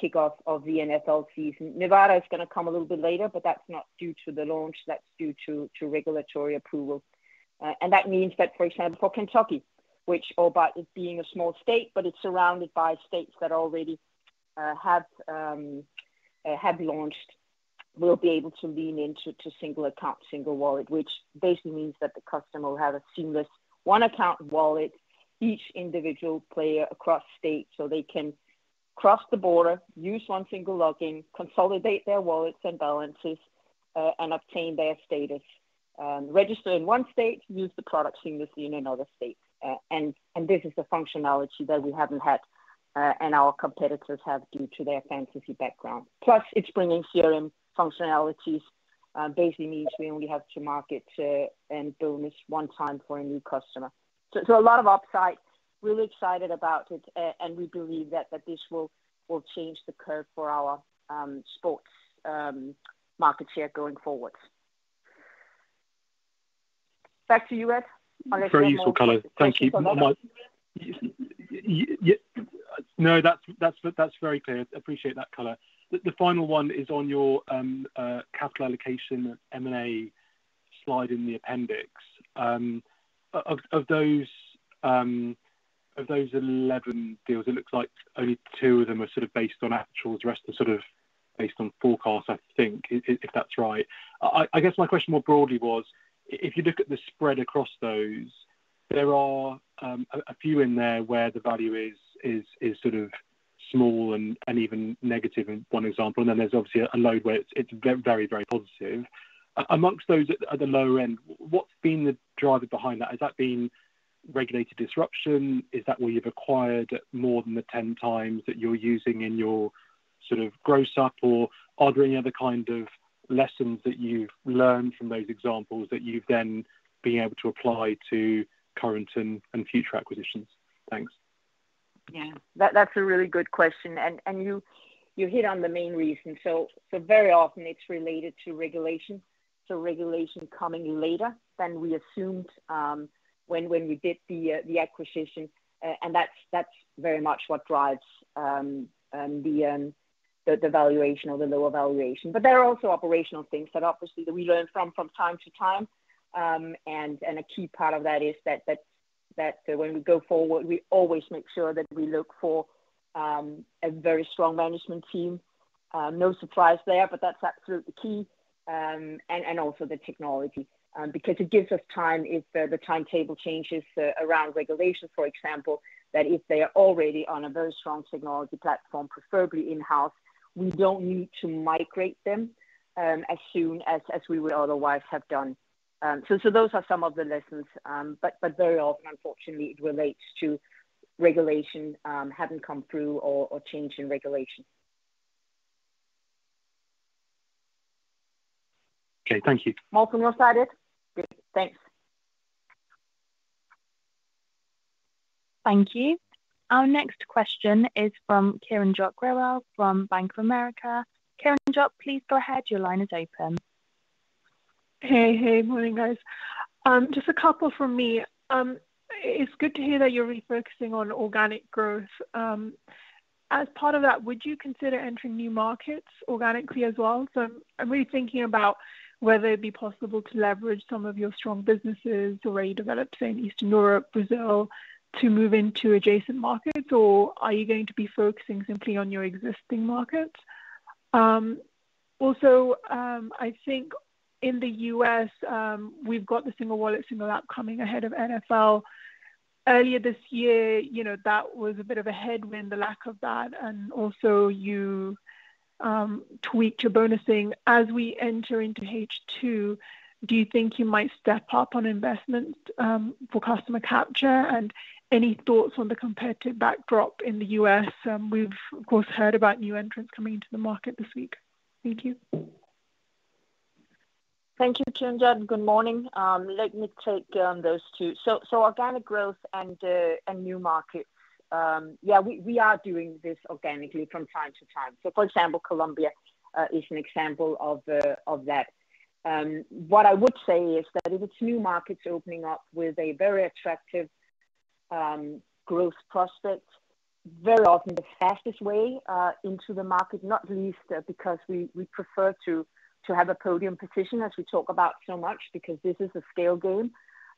Speaker 2: kickoff of the NFL season. Nevada is gonna come a little bit later, but that's not due to the launch, that's due to regulatory approval. That means that, for example, for Kentucky, which albeit it being a small state, but it's surrounded by states that already have launched, will be able to lean into to Single Account Single Wallet, which basically means that the customer will have a seamless 1 account wallet, each individual player across state, so they can cross the border, use 1 single login, consolidate their wallets and balances, and obtain their status. Register in 1 state, use the product seamlessly in another state. This is the functionality that we haven't had, and our competitors have due to their fantasy background. Plus, it's bringing CRM functionalities, basically means we only have to market and build this 1 time for a new customer. A lot of upside, really excited about it, and we believe that, that this will, will change the curve for our sports market share going forward. Back to you, Ed.
Speaker 5: Very useful, Carla. Thank you.
Speaker 2: Questions on-
Speaker 5: Yeah, no, that's, that's, that's very clear. Appreciate that, Carla. The final one is on your capital allocation M&A slide in the appendix. Of those, of those 11 deals, it looks like only 2 of them are sort of based on actuals, the rest are sort of based on forecast, I think, if that's right. I guess my question more broadly was, if you look at the spread across those, there are a few in there where the value is sort of small and even negative in 1 example, and then there's obviously a load where it's very, very positive. Amongst those at the lower end, what's been the driver behind that? Has that been regulatory disruption? Is that where you've acquired more than the 10x that you're using in your sort of gross up? Are there any other kind of lessons that you've learned from those examples that you've then been able to apply to current and, and future acquisitions? Thanks.
Speaker 2: Yeah, that, that's a really good question, and, and you, you hit on the main reason. Very often it's related to regulation. Regulation coming later than we assumed, when, when we did the acquisition. And that's, that's very much what drives the, the, the valuation or the lower valuation. There are also operational things that obviously that we learn from, from time to time. And, and a key part of that is that, that, that when we go forward, we always make sure that we look for a very strong management team. No surprise there, but that's absolutely key. Also the technology, because it gives us time if the, the timetable changes, around regulation, for example, that if they are already on a very strong technology platform, preferably in-house, we don't need to migrate them, as soon as, as we would otherwise have done. Those are some of the lessons, but, but very often, unfortunately, it relates to regulation, having come through or, or change in regulation.
Speaker 5: Okay. Thank you.
Speaker 2: More from your side, Ed? Great. Thanks.
Speaker 1: Thank you. Our next question is from Kiranjot Grewal from Bank of America. Kiranjot, please go ahead. Your line is open.
Speaker 7: Hey. Hey, morning, guys. Just a couple from me. It's good to hear that you're refocusing on organic growth. As part of that, would you consider entering new markets organically as well? I'm really thinking about whether it be possible to leverage some of your strong businesses already developed in Eastern Europe, Brazil, to move into adjacent markets, or are you going to be focusing simply on your existing markets? Also, I think in the U.S., we've got the single wallet, single app coming ahead of NFL. Earlier this year, you know, that was a bit of a headwind, the lack of that, and also you tweaked your bonusing. As we enter into H2, do you think you might step up on investment for customer capture? Any thoughts on the competitive backdrop in the U.S.? We've, of course, heard about new entrants coming into the market this week. Thank you.
Speaker 2: Thank you, Kiranjot. Good morning. Let me take those two. Organic growth and new markets. Yeah, we are doing this organically from time to time. For example, Colombia is an example of that. What I would say is that if it's new markets opening up with a very attractive growth prospect, very often the fastest way into the market, not least because we prefer to have a podium position, as we talk about so much, because this is a scale game.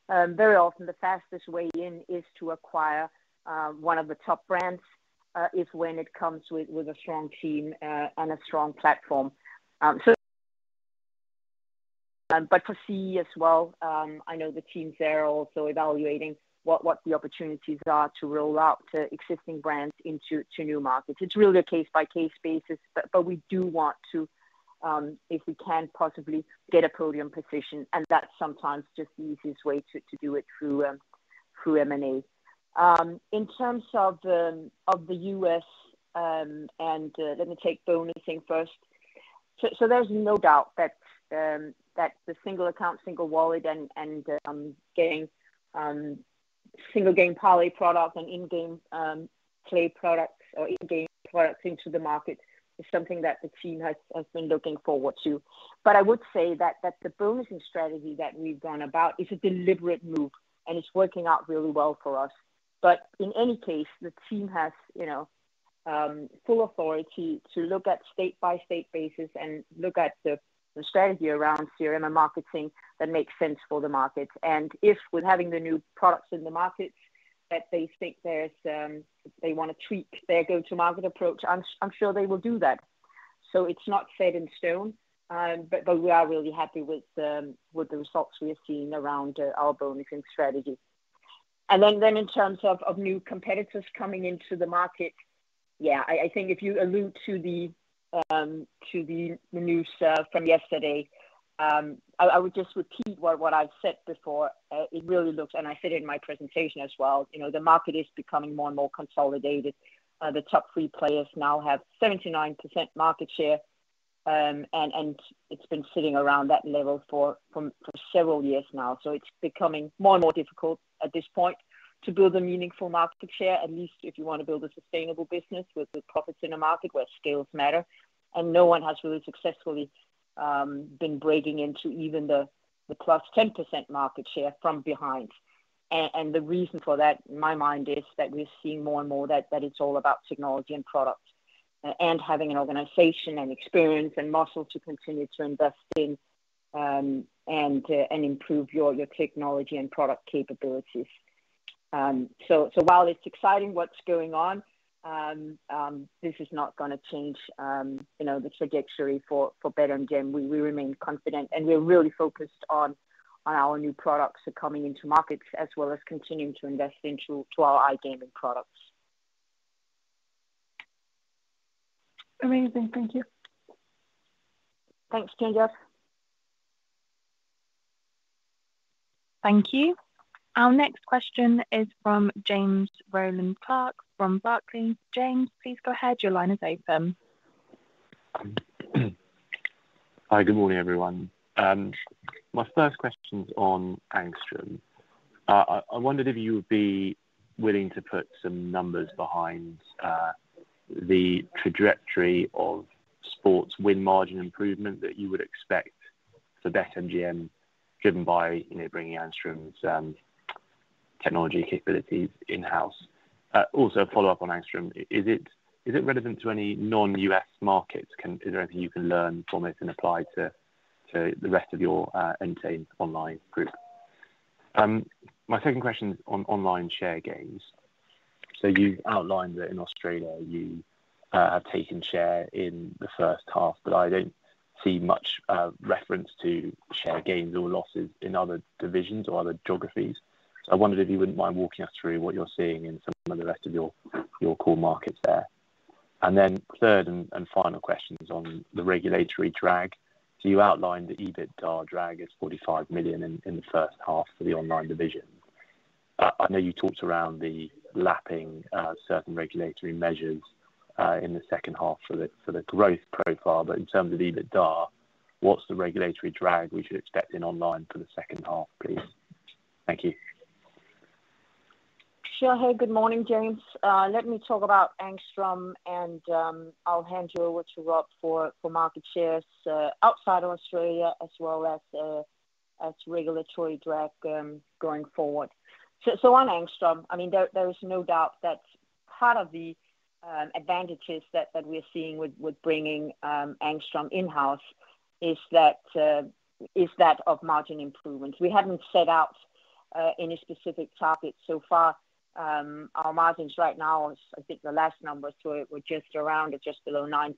Speaker 2: Very often the fastest way in is to acquire one of the top brands, is when it comes with a strong team and a strong platform. For CE as well, I know the teams there are also evaluating what, what the opportunities are to roll out existing brands into new markets. It's really a case-by-case basis, but, but we do want to, if we can possibly get a podium position, and that's sometimes just the easiest way to do it through M&A. In terms of the U.S., and let me take bonusing first. There's no doubt that the Single Account Single Wallet and, and getting single game parlay products and in-game play products or in-game products into the market is something that the team has, has been looking forward to. I would say that, that the bonusing strategy that we've gone about is a deliberate move, and it's working out really well for us. In any case, the team has, you know, full authority to look at state-by-state basis and look at the, the strategy around CRM and marketing that makes sense for the markets. If we're having the new products in the markets that they think there's, they want to tweak their go-to-market approach, I'm, I'm sure they will do that. It's not set in stone, but we are really happy with the, with the results we are seeing around our bonusing strategy. Then, then in terms of, of new competitors coming into the market, yeah, I, I think if you allude to the, to the, the news from yesterday, I, I would just repeat what, what I've said before. It really looks, and I said it in my presentation as well, you know, the market is becoming more and more consolidated. The top 3 players now have 79% market share, and, and it's been sitting around that level for, for, for several years now. It's becoming more and more difficult at this point to build a meaningful market share, at least if you want to build a sustainable business with the profits in a market where scales matter. No one has really successfully been breaking into even the, the plus 10% market share from behind. The reason for that, in my mind, is that we're seeing more and more that, that it's all about technology and products, and having an organization and experience and muscle to continue to invest in, and to, and improve your, your technology and product capabilities. While it's exciting what's going on, this is not gonna change, you know, the trajectory for, for BetMGM. We, we remain confident, and we're really focused on, on our new products coming into markets, as well as continuing to invest into to our iGaming products. Amazing. Thank you. Thanks, Tina.
Speaker 1: Thank you. Our next question is from James Rowland-Clark from Barclays. James, please go ahead. Your line is open.
Speaker 8: Hi, good morning, everyone. My first question's on Angstrom. I, I wondered if you would be willing to put some numbers behind the trajectory of sports win margin improvement that you would expect for BetMGM, driven by, you know, bringing Angstrom's technology capabilities in-house. Also a follow-up on Angstrom. Is it, is it relevant to any non-U.S. markets? Is there anything you can learn from it and apply to, to the rest of your Entain online group? My second question is on online share gains. You've outlined that in Australia, you have taken share in the first half, but I don't see much reference to share gains or losses in other divisions or other geographies. I wondered if you wouldn't mind walking us through what you're seeing in some of the rest of your, your core markets there. Third and final question is on the regulatory drag. You outlined the EBITDA drag is 45 million in the first half for the online division. I know you talked around the lapping certain regulatory measures in the second half for the growth profile, but in terms of EBITDA, what's the regulatory drag we should expect in online for the second half, please? Thank you.
Speaker 2: Sure. Hey, good morning, James. Let me talk about Angstrom, and I'll hand you over to Rob for, for market shares, outside of Australia, as well as, as regulatory drag, going forward. On Angstrom, I mean, there, there is no doubt that part of the advantages that, that we're seeing with, with bringing Angstrom in-house is that of margin improvements. We haven't set out any specific targets so far. Our margins right now, I think the last numbers were, were just around or just below 9%.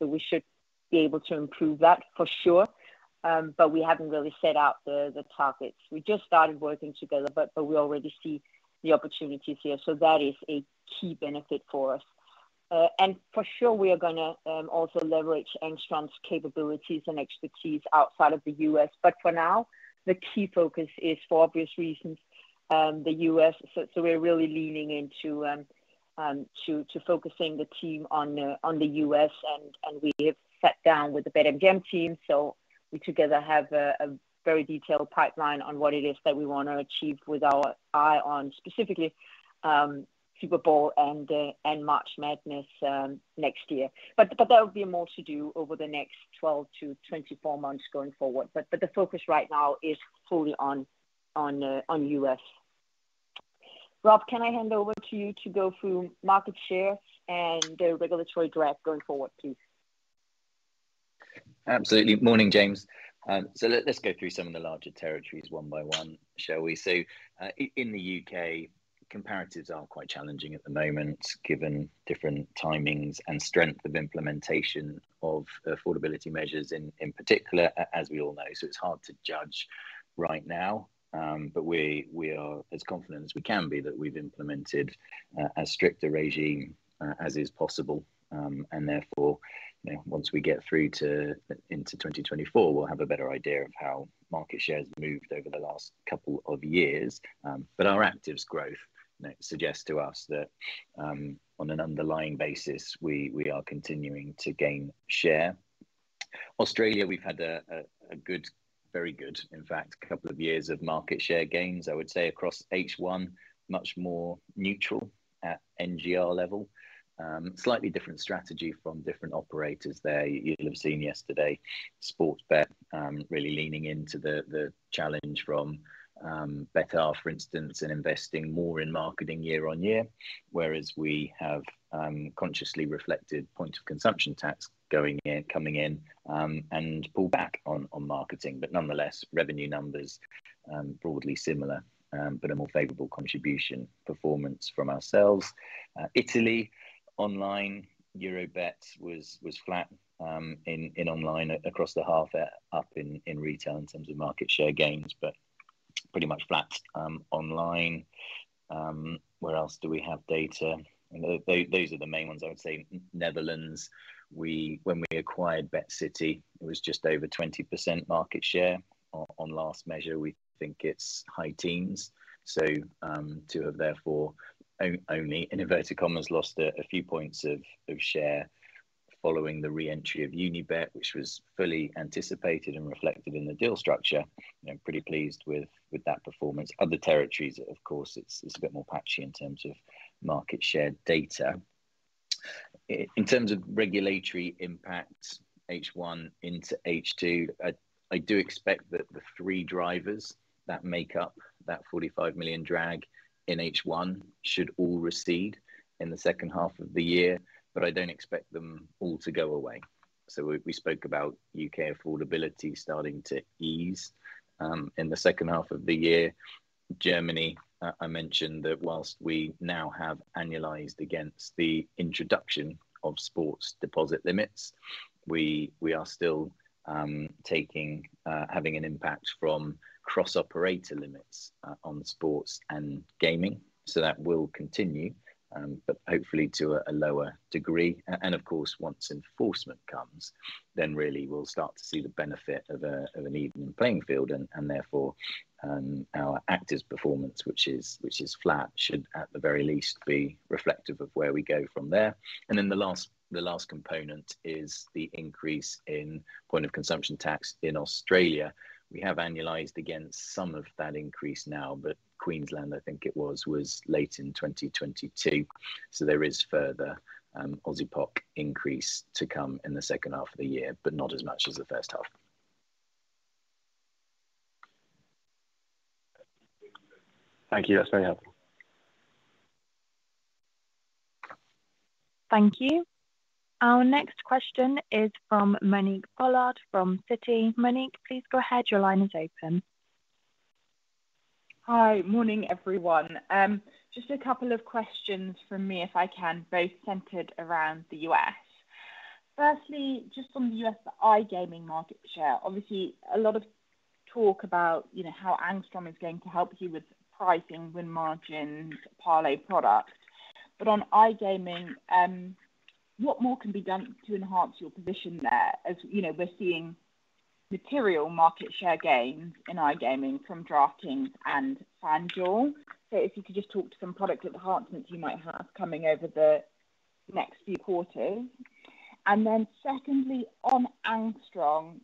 Speaker 2: We should be able to improve that for sure, but we haven't really set out the, the targets. We just started working together, but we already see the opportunities here. That is a key benefit for us. For sure, we are gonna also leverage Angstrom's capabilities and expertise outside of the U.S. For now, the key focus is, for obvious reasons, the U.S. We're really leaning into to focusing the team on the U.S., we have sat down with the BetMGM team, we together have a very detailed pipeline on what it is that we want to achieve with our eye on specifically Super Bowl and March Madness next year. There will be more to do over the next 12-24 months going forward. The focus right now is fully on U.S. Rob, can I hand over to you to go through market share and the regulatory drag going forward, please?
Speaker 4: Absolutely. Morning, James. Let, let's go through some of the larger territories one by one, shall we? In the UK, comparatives are quite challenging at the moment, given different timings and strength of implementation of affordability measures in, in particular, as we all know. It's hard to judge right now. We, we are as confident as we can be that we've implemented as strict a regime as is possible, and therefore, you know, once we get through to, into 2024, we'll have a better idea of how market share has moved over the last couple of years. Our actives growth, you know, suggests to us that, on an underlying basis, we, we are continuing to gain share. Australia, we've had a good, very good, in fact, couple of years of market share gains, I would say across H1, much more neutral at NGR level. Slightly different strategy from different operators there. You'll have seen yesterday, Sportsbet, really leaning into Betr, for instance, in investing more in marketing year-on-year, whereas we have consciously reflected point of consumption tax coming in and pulled back on marketing. Nonetheless, revenue numbers, broadly similar, but a more favorable contribution performance from ourselves. Italy online, Eurobet was flat in online across the half, up in retail in terms of market share gains, but pretty much flat online. Where else do we have data? Those are the main ones. I would say Netherlands, we when we acquired BetCity, it was just over 20% market share. On last measure, we think it's high teens. To have therefore only, in inverted commas, lost a few points of share following the re-entry of Unibet, which was fully anticipated and reflected in the deal structure, I'm pretty pleased with that performance. Other territories, of course, it's a bit more patchy in terms of market share data. In terms of regulatory impact, H1 into H2, I do expect that the three drivers that make up that 45 million drag in H1 should all recede in the second half of the year, but I don't expect them all to go away. We spoke about UK affordability starting to ease in the second half of the year. Germany, I, I mentioned that whilst we now have annualized against the introduction of sports deposit limits, we, we are still having an impact from cross-operator limits on sports and gaming. That will continue, but hopefully to a lower degree. Of course, once enforcement comes, then really we'll start to see the benefit of an even playing field, and, and therefore, our actors' performance, which is, which is flat, should, at the very least, be reflective of where we go from there. Then the last, the last component is the increase in point of consumption tax in Australia. We have annualized against some of that increase now, but Queensland, I think it was, was late in 2022, so there is further Aussie POC increase to come in the second half of the year, but not as much as the first half.
Speaker 8: Thank you. That's very helpful.
Speaker 1: Thank you. Our next question is from Monique Pollard from Citi. Monique, please go ahead. Your line is open.
Speaker 9: Hi. Morning, everyone. Just a couple of questions from me, if I can, both centered around the U.S. Firstly, just on the U.S. iGaming market share, obviously, a lot of talk about, you know, how Angstrom is going to help you with pricing, win margins, parlay product. On iGaming, what more can be done to enhance your position there? As you know, we're seeing material market share gains in iGaming from DraftKings and FanDuel. If you could just talk to some product enhancements you might have coming over the next few quarters. Secondly, on Angstrom,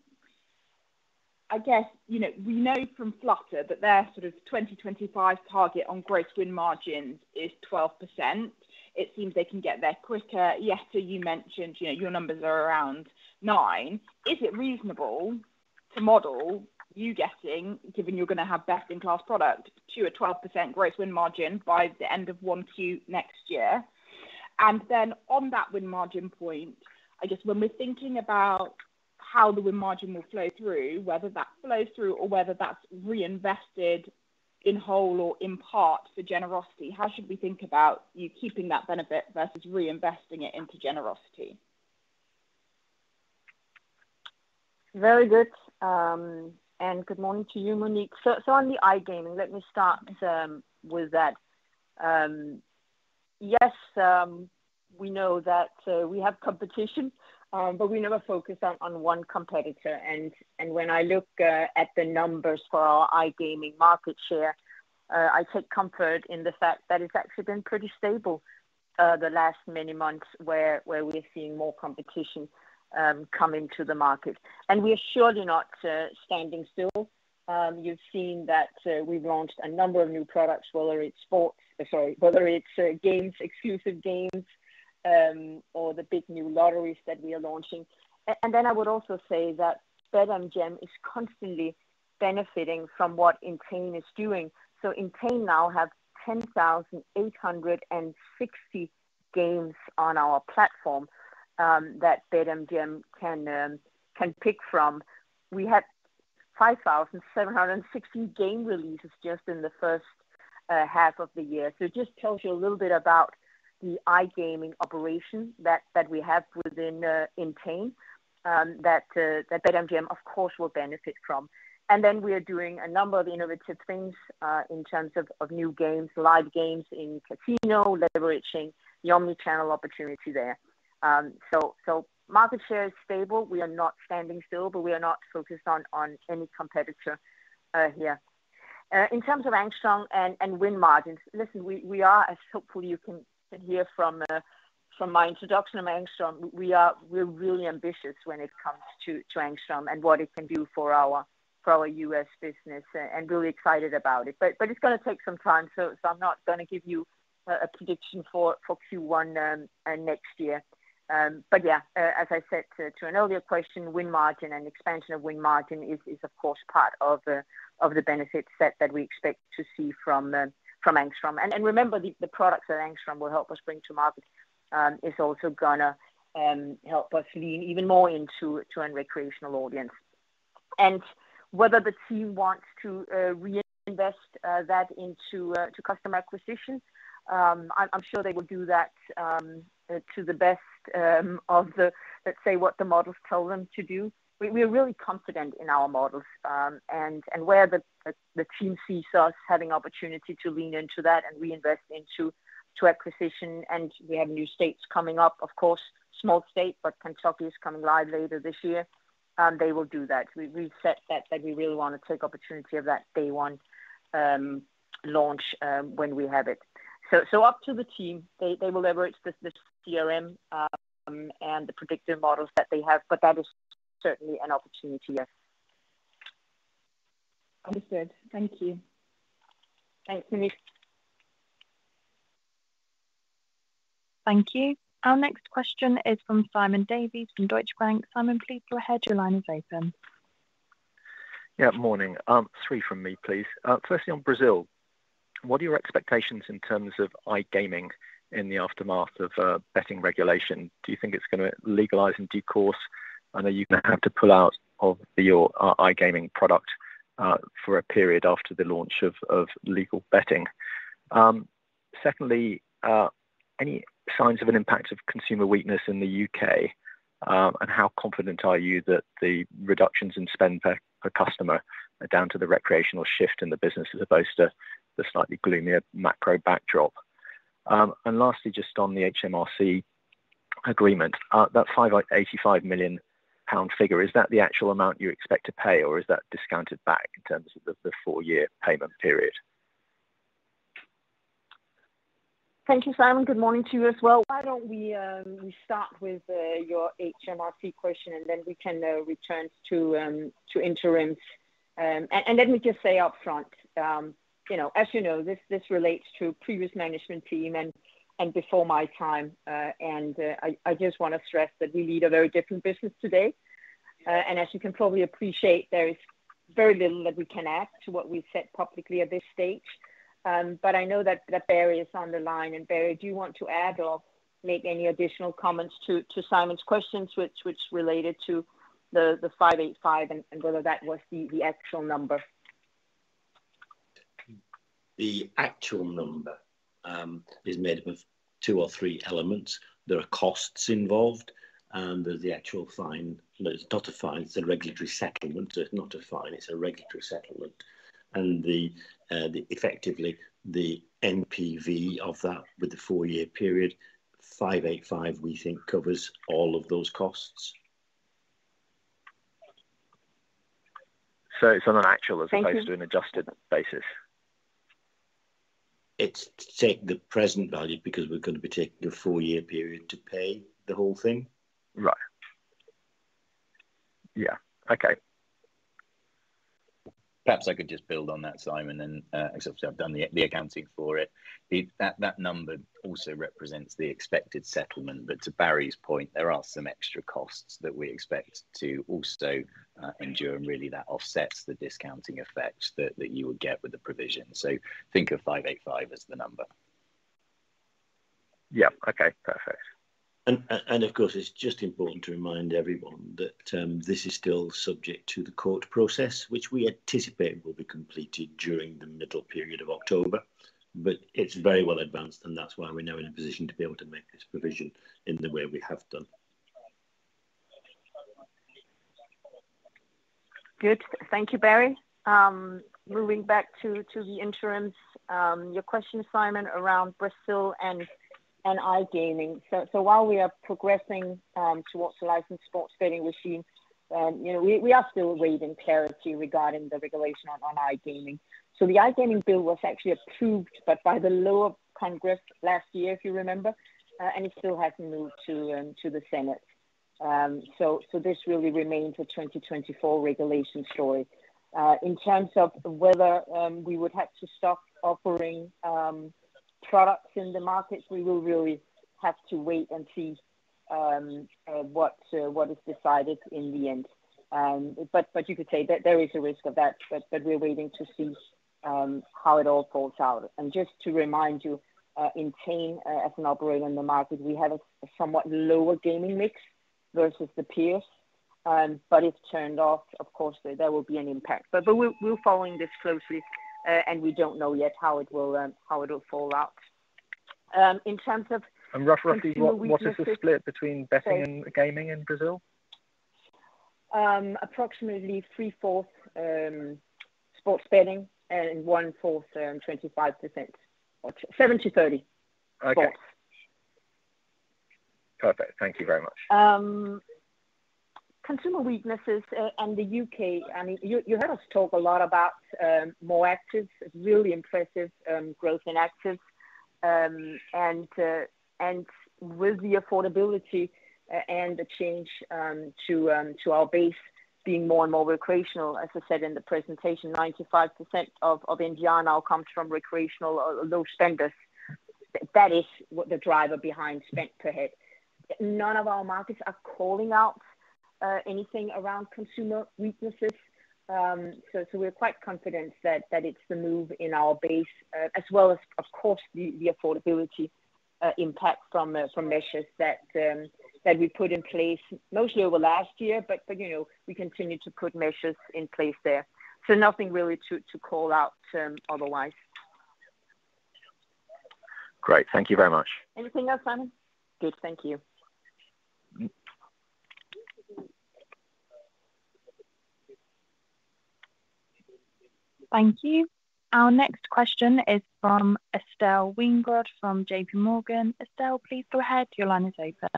Speaker 9: I guess, you know, we know from Flutter that their sort of 2025 target on gross win margins is 12%. It seems they can get there quicker. Jette, you mentioned, you know, your numbers are around 9%. Is it reasonable to model you getting, given you're going to have best-in-class product, to a 12% gross win margin by the end of 1Q next year? On that win margin point, I guess when we're thinking about how the win margin will flow through, whether that flows through or whether that's reinvested in whole or in part for generosity, how should we think about you keeping that benefit versus reinvesting it into generosity?
Speaker 2: Very good, good morning to you, Monique. On the iGaming, let me start with that. Yes, we know that we have competition, we never focus on one competitor. When I look at the numbers for our iGaming market share, I take comfort in the fact that it's actually been pretty stable the last many months, where we're seeing more competition coming to the market. We are surely not standing still. You've seen that we've launched a number of new products, whether it's sports, sorry, whether it's games, exclusive games, or the big new lotteries that we are launching. I would also say that BetMGM is constantly benefiting from what Entain is doing. Entain now have 10,860 games on our platform that BetMGM can pick from. We had 5,760 game releases just in the first half of the year. It just tells you a little bit about the iGaming operation that, that we have within Entain that BetMGM, of course, will benefit from. We are doing a number of innovative things in terms of new games, live games in casino, leveraging the omni-channel opportunity there. Market share is stable. We are not standing still, but we are not focused on any competitor here. In terms of Angstrom and, and win margins, listen, we, we are, as hopefully you can, can hear from, from my introduction of Angstrom, we're really ambitious when it comes to, to Angstrom and what it can do for our, for our US business, and really excited about it. But it's going to take some time, so, so I'm not going to give you a, a prediction for, for Q1 next year. Yeah, as I said to, to an earlier question, win margin and expansion of win margin is, is of course part of the, of the benefit set that we expect to see from, from Angstrom. And remember, the, the products that Angstrom will help us bring to market, is also gonna help us lean even more into, to a recreational audience. Whether the team wants to reinvest that into customer acquisition, I'm sure they will do that to the best of the, let's say, what the models tell them to do. We're really confident in our models, and where the team sees us having opportunity to lean into that and reinvest into acquisition. We have new states coming up, of course, small state, but Kentucky is coming live later this year, and they will do that. We've said that we really want to take opportunity of that day one launch when we have it. Up to the team, they will leverage this CRM and the predictive models that they have, but that is certainly an opportunity, yes.
Speaker 9: Understood. Thank you.
Speaker 2: Thanks, Denise.
Speaker 1: Thank you. Our next question is from Simon Davies from Deutsche Bank. Simon, please go ahead. Your line is open.
Speaker 10: Yeah, morning. 3 from me, please. Firstly, on Brazil, what are your expectations in terms of iGaming in the aftermath of betting regulation? Do you think it's gonna legalize in due course? I know you're gonna have to pull out of your iGaming product for a period after the launch of legal betting. Secondly, any signs of an impact of consumer weakness in the U.K.? How confident are you that the reductions in spend per customer are down to the recreational shift in the business as opposed to the slightly gloomier macro backdrop? Lastly, just on the HMRC agreement, that 585 million pound figure, is that the actual amount you expect to pay, or is that discounted back in terms of the 4-year payment period?
Speaker 2: Thank you, Simon. Good morning to you as well. Why don't we, we start with your HMRC question, and then we can return to interim? Let me just say up front, you know, as you know, this, this relates to a previous management team and, before my time, I, I just want to stress that we lead a very different business today. As you can probably appreciate, there is very little that we can add to what we've said publicly at this stage. I know that, that Barry is on the line. Barry, do you want to add or make any additional comments to, to Simon's questions, which, which related to the, the 585 and, and whether that was the, the actual number?
Speaker 3: The actual number, is made up of 2 or 3 elements. There are costs involved, and there's the actual fine. No, it's not a fine, it's a regulatory settlement, so it's not a fine, it's a regulatory settlement. The effectively, the NPV of that with the 4-year period, 585, we think covers all of those costs.
Speaker 10: It's on an.
Speaker 2: Thank you.
Speaker 10: as opposed to an adjusted basis?
Speaker 3: It's take the present value because we're gonna be taking a four-year period to pay the whole thing.
Speaker 10: Right. Yeah. Okay.
Speaker 4: Perhaps I could just build on that, Simon, and obviously, I've done the accounting for it. That number also represents the expected settlement. To Barry's point, there are some extra costs that we expect to also endure, and really, that offsets the discounting effects that you would get with the provision. Think of 585 as the number.
Speaker 10: Yeah. Okay, perfect.
Speaker 3: Of course, it's just important to remind everyone that this is still subject to the court process, which we anticipate will be completed during the middle period of October, but it's very well advanced, and that's why we're now in a position to be able to make this provision in the way we have done.
Speaker 2: Good. Thank you, Barry. Moving back to the interim, your question, Simon, around Brazil and iGaming. While we are progressing towards the licensed sports betting machine, you know, we are still waiting clarity regarding the regulation on iGaming. The iGaming bill was actually approved, but by the lower Congress last year, if you remember, and it still hasn't moved to the Senate. This really remains a 2024 regulation story. In terms of whether we would have to stop offering products in the market, we will really have to wait and see what is decided in the end. You could say there is a risk of that, we're waiting to see how it all folds out. Just to remind you, Entain, as an operator in the market, we have a somewhat lower gaming mix versus the peers, but it's turned off. Of course, there will be an impact. We're following this closely, and we don't know yet how it will fall out. In terms of-
Speaker 10: Roughly, what, what is the split between betting and gaming in Brazil?
Speaker 2: Approximately 3/4 sports betting and 1/4, 25%, or 7-30.
Speaker 10: Okay.
Speaker 2: Sports.
Speaker 10: Perfect. Thank you very much.
Speaker 2: Consumer weaknesses, and the UK, I mean, you, you heard us talk a lot about more actives, really impressive growth in actives. With the affordability and the change to our base being more and more recreational. As I said in the presentation, 95% of NGR now comes from recreational or low spenders. That is what the driver behind spend per head. None of our markets are calling out anything around consumer weaknesses. We're quite confident that it's the move in our base, as well as, of course, the affordability impact from measures that we put in place, mostly over last year. You know, we continue to put measures in place there. Nothing really to call out otherwise.
Speaker 3: Great. Thank you very much.
Speaker 2: Anything else, Simon? Good. Thank you.
Speaker 1: Thank you. Our next question is from Estelle Weingrod, from JP Morgan. Estelle, please go ahead. Your line is open.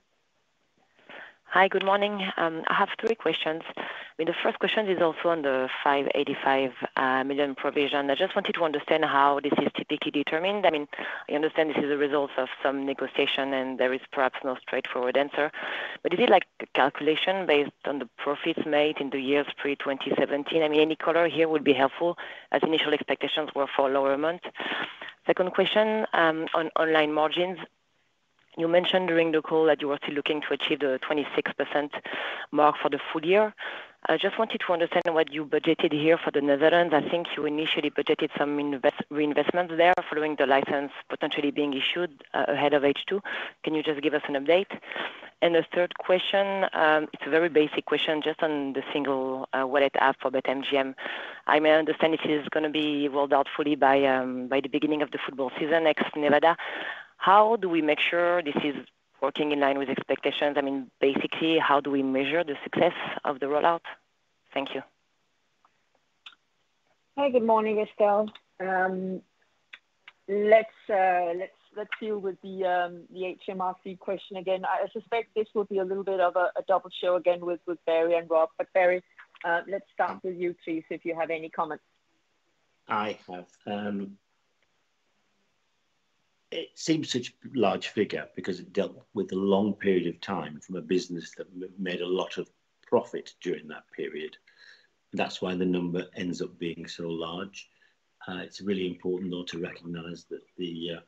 Speaker 11: Hi, good morning. I have three questions. I mean, the first question is also on the 585 million provision. I just wanted to understand how this is typically determined. I mean, I understand this is a result of some negotiation, and there is perhaps no straightforward answer. Is it like a calculation based on the profits made in the years pre-2017? I mean, any color here would be helpful, as initial expectations were for lower amount. Second question, on online margins. You mentioned during the call that you are still looking to achieve the 26% mark for the full year. I just wanted to understand what you budgeted here for the Netherlands. I think you initially budgeted some reinvestment there, following the license potentially being issued, ahead of H2. Can you just give us an update? The third question, it's a very basic question, just on the single wallet app for BetMGM. I may understand this is gonna be rolled out fully by the beginning of the football season next in Nevada. How do we make sure this is working in line with expectations? I mean, basically, how do we measure the success of the rollout? Thank you.
Speaker 2: Hi, good morning, Estelle. let's, let's, let's deal with the, the HMRC question again. I, I suspect this will be a little bit of a, a double show again with, with Barry and Rob. Barry, let's start with you to see if you have any comments.
Speaker 3: I have. It seems such large figure because it dealt with a long period of time from a business that made a lot of profit during that period. That's why the number ends up being so large. It's really important, though, to recognize that the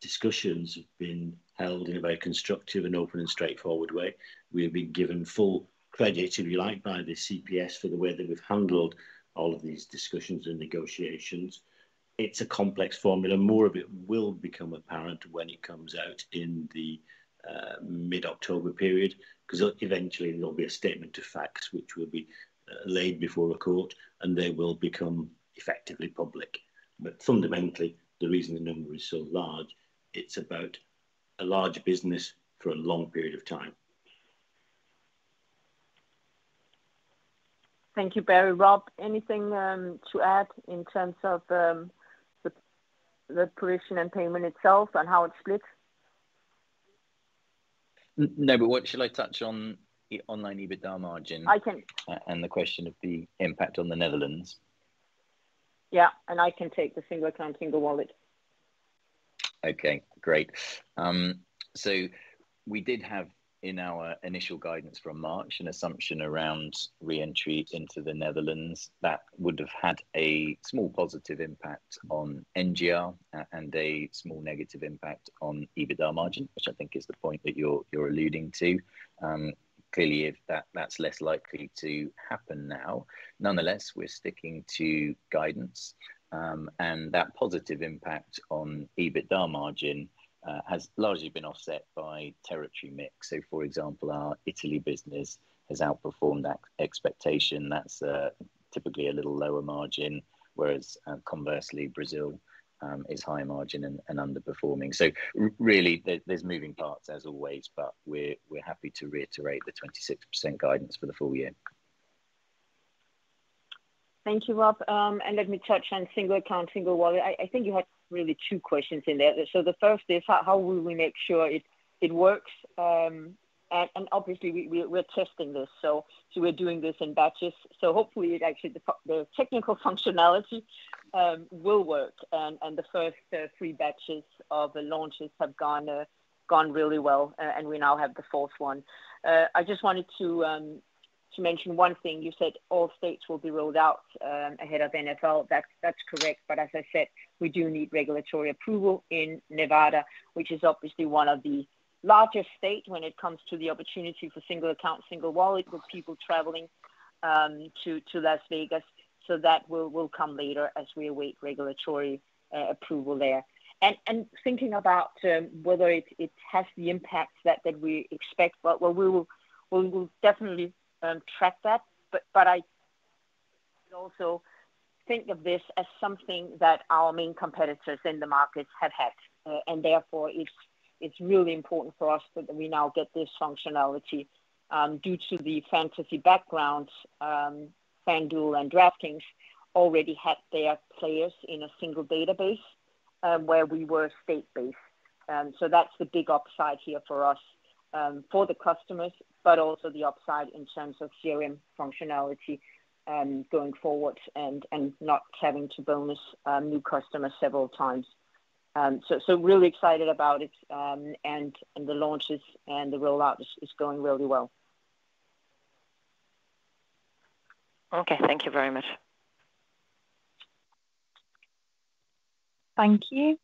Speaker 3: discussions have been held in a very constructive and open and straightforward way. We have been given full credit, if you like, by the CPS, for the way that we've handled all of these discussions and negotiations. It's a complex formula. More of it will become apparent when it comes out in the mid-October period, 'cause eventually there'll be a statement of facts which will be laid before a court. They will become effectively public. Fundamentally, the reason the number is so large, it's about a large business for a long period of time.
Speaker 2: Thank you, Barry. Rob, anything to add in terms of the, the provision and payment itself and how it's split?
Speaker 4: no, what shall I touch on the online EBITDA margin-
Speaker 2: I can-,
Speaker 4: and the question of the impact on the Netherlands?
Speaker 2: Yeah, I can take the Single Account Single Wallet.
Speaker 4: Okay, great. We did have in our initial guidance from March, an assumption around re-entry into the Netherlands that would have had a small positive impact on NGR and a small negative impact on EBITDA margin, which I think is the point that you're alluding to. Clearly, if that's less likely to happen now. Nonetheless, we're sticking to guidance, and that positive impact on EBITDA margin has largely been offset by territory mix. For example, our Italy business has outperformed ex-expectation. That's typically a little lower margin, whereas conversely, Brazil is high margin and underperforming. Really, there's moving parts as always, but we're happy to reiterate the 26% guidance for the full year.
Speaker 2: Thank you, Rob. Let me touch on Single Account Single Wallet. I, I think you had really 2 questions in there. The first is how, how will we make sure it, it works? Obviously, we, we're, we're testing this, so, so we're doing this in batches. Hopefully, actually, the f- the technical functionality will work, and the first 3 batches of the launches have gone really well, and we now have the fourth one. I just wanted to mention 1 thing. You said all states will be rolled out ahead of NFL. That's, that's correct. As I said, we do need regulatory approval in Nevada, which is obviously 1 of the largest state when it comes to the opportunity for Single Account Single Wallet, with people traveling to Las Vegas. That will, will come later as we await regulatory approval there. Thinking about whether it, it has the impact that, that we expect, well, well, we will, we will definitely track that. I also think of this as something that our main competitors in the markets have had, and therefore it's, it's really important for us that we now get this functionality. Due to the fantasy backgrounds, FanDuel and DraftKings already had their players in a single database where we were state-based. That's the big upside here for us, for the customers, but also the upside in terms of CRM functionality going forward and, and not having to bonus new customers several times. Really excited about it, and, and the launches and the rollout is, is going really well.
Speaker 11: Okay, thank you very much.
Speaker 1: Thank you.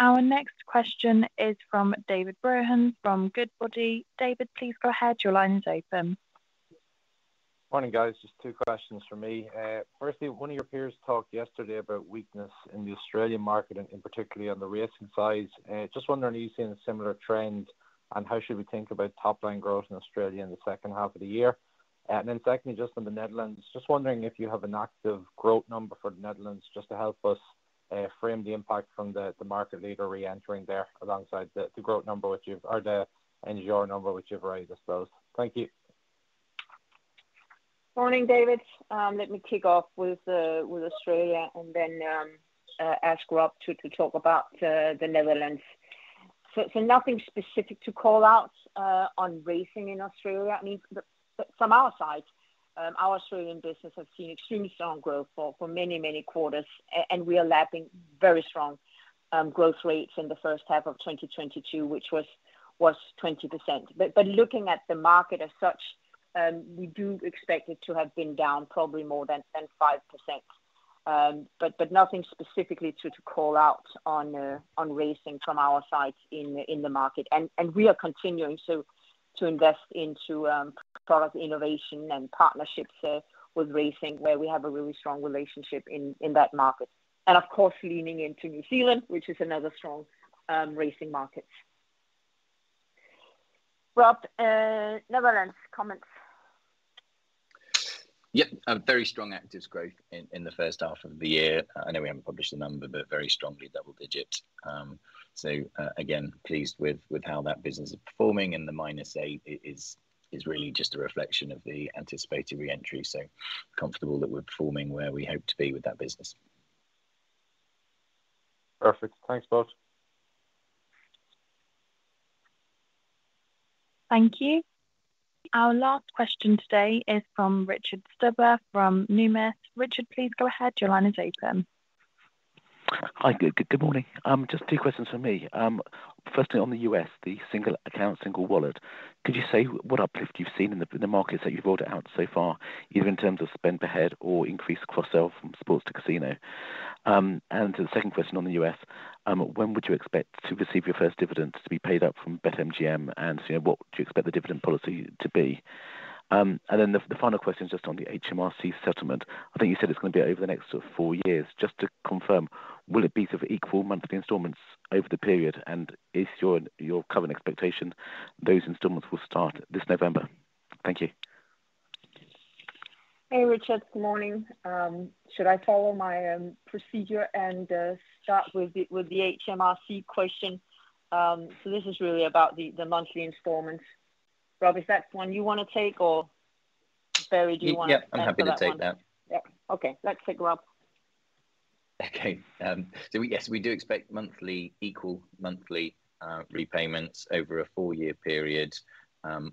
Speaker 1: Our next question is from David Brohan from Goodbody. David, please go ahead. Your line is open.
Speaker 12: Morning, guys. Just two questions for me. Firstly, one of your peers talked yesterday about weakness in the Australian market and in particularly on the racing side. Just wondering, are you seeing a similar trend, and how should we think about top-line growth in Australia in the second half of the year? Secondly, just on the Netherlands, just wondering if you have an active growth number for the Netherlands, just to help us frame the impact from the market leader reentering there alongside the growth number, which you've or the Endure number, which you've raised, I suppose. Thank you.
Speaker 2: Morning, David. Let me kick off with Australia and then ask Rob to talk about the Netherlands. Nothing specific to call out on racing in Australia. I mean, but from our side, our Australian business has seen extremely strong growth for many, many quarters, and we are lapping very strong growth rates in the first half of 2022, which was 20%. Looking at the market as such, we do expect it to have been down probably more than 5%. Nothing specifically to call out on racing from our side in the market. We are continuing so to invest into product innovation and partnerships with racing, where we have a really strong relationship in that market. Of course, leaning into New Zealand, which is another strong racing market. Rob, Netherlands comments.
Speaker 4: Yep, a very strong actives growth in, in the first half of the year. I know we haven't published the number, but very strongly double digit. again, pleased with, with how that business is performing, and the minus eight is, is really just a reflection of the anticipated reentry. Comfortable that we're performing where we hope to be with that business.
Speaker 12: Perfect. Thanks, both.
Speaker 1: Thank you. Our last question today is from Richard Stuber from Numis. Richard, please go ahead. Your line is open.
Speaker 13: Hi. Good, good morning. Firstly, on the U.S., the Single Account Single Wallet, could you say what uplift you've seen in the markets that you've rolled it out so far, either in terms of spend per head or increased cross-sell from sports to casino? The second question on the U.S., when would you expect to receive your first dividends to be paid out from BetMGM, you know, what do you expect the dividend policy to be? Then the final question is just on the HMRC settlement. I think you said it's going to be over the next four years. Just to confirm, will it be of equal monthly installments over the period, and is your current expectation those installments will start this November? Thank you.
Speaker 2: Hey, Richard. Good morning. Should I follow my procedure and start with the HMRC question? This is really about the monthly installments. Rob, is that one you want to take, or Barry, do you want to-
Speaker 3: Yeah, I'm happy to take that.
Speaker 2: Yeah. Okay, let's take Rob.
Speaker 4: Okay, so yes, we do expect monthly, equal monthly, repayments over a 4-year period.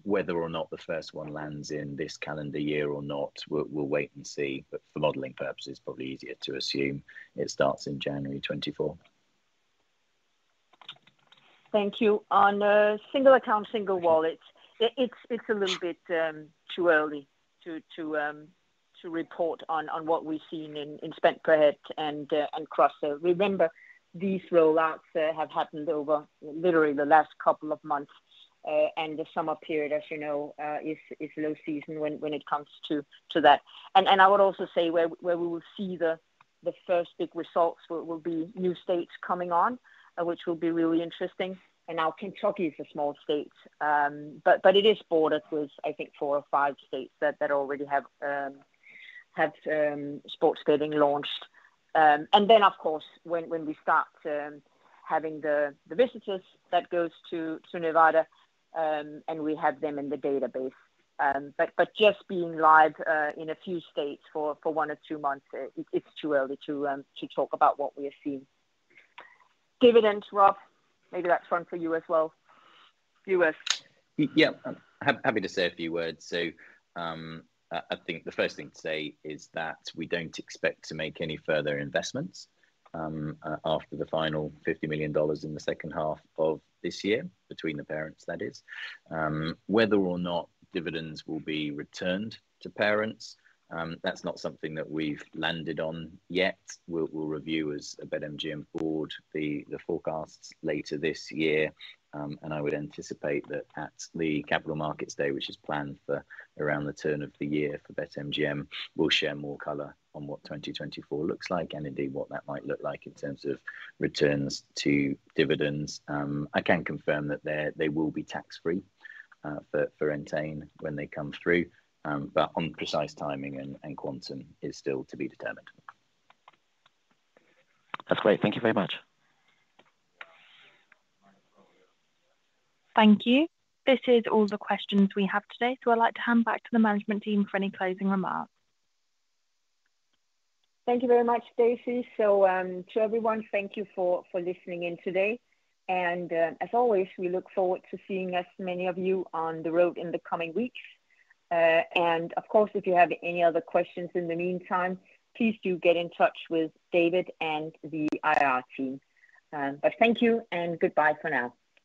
Speaker 4: Whether or not the first one lands in this calendar year or not, we'll, we'll wait and see, but for modeling purposes, it's probably easier to assume it starts in January 2024.
Speaker 2: Thank you. On Single Account Single Wallet, it's a little bit too early to report on what we've seen in spend per head and cross-sell. Remember, these rollouts have happened over literally the last couple of months, and the summer period, as you know, is low season when it comes to that. I would also say where we will see the first big results will be new states coming on, which will be really interesting. Now Kentucky is a small state, but it is bordered with, I think, four or five states that already have sports betting launched. Of course, when, when we start having the, the visitors that goes to, to Nevada, and we have them in the database. Just being live in a few states for one or two months, it, it's too early to talk about what we are seeing. Dividends, Rob, maybe that's one for you as well. U.S.
Speaker 4: Yeah, I'm happy to say a few words. I think the first thing to say is that we don't expect to make any further investments after the final $50 million in the second half of this year, between the parents, that is. Whether or not dividends will be returned to parents, that's not something that we've landed on yet. We'll review as a BetMGM board, the forecasts later this year, and I would anticipate that at the Capital Markets Day, which is planned for around the turn of the year for BetMGM, we'll share more color on what 2024 looks like, and indeed, what that might look like in terms of returns to dividends. I can confirm that they, they will be tax-free, for, for Entain when they come through, but on precise timing and, and quantum is still to be determined.
Speaker 13: That's great. Thank you very much.
Speaker 1: Thank you. This is all the questions we have today, so I'd like to hand back to the management team for any closing remarks.
Speaker 2: Thank you very much, Daisy. To everyone, thank you for, for listening in today, and as always, we look forward to seeing as many of you on the road in the coming weeks. Of course, if you have any other questions in the meantime, please do get in touch with David and the IR team. Thank you, and goodbye for now.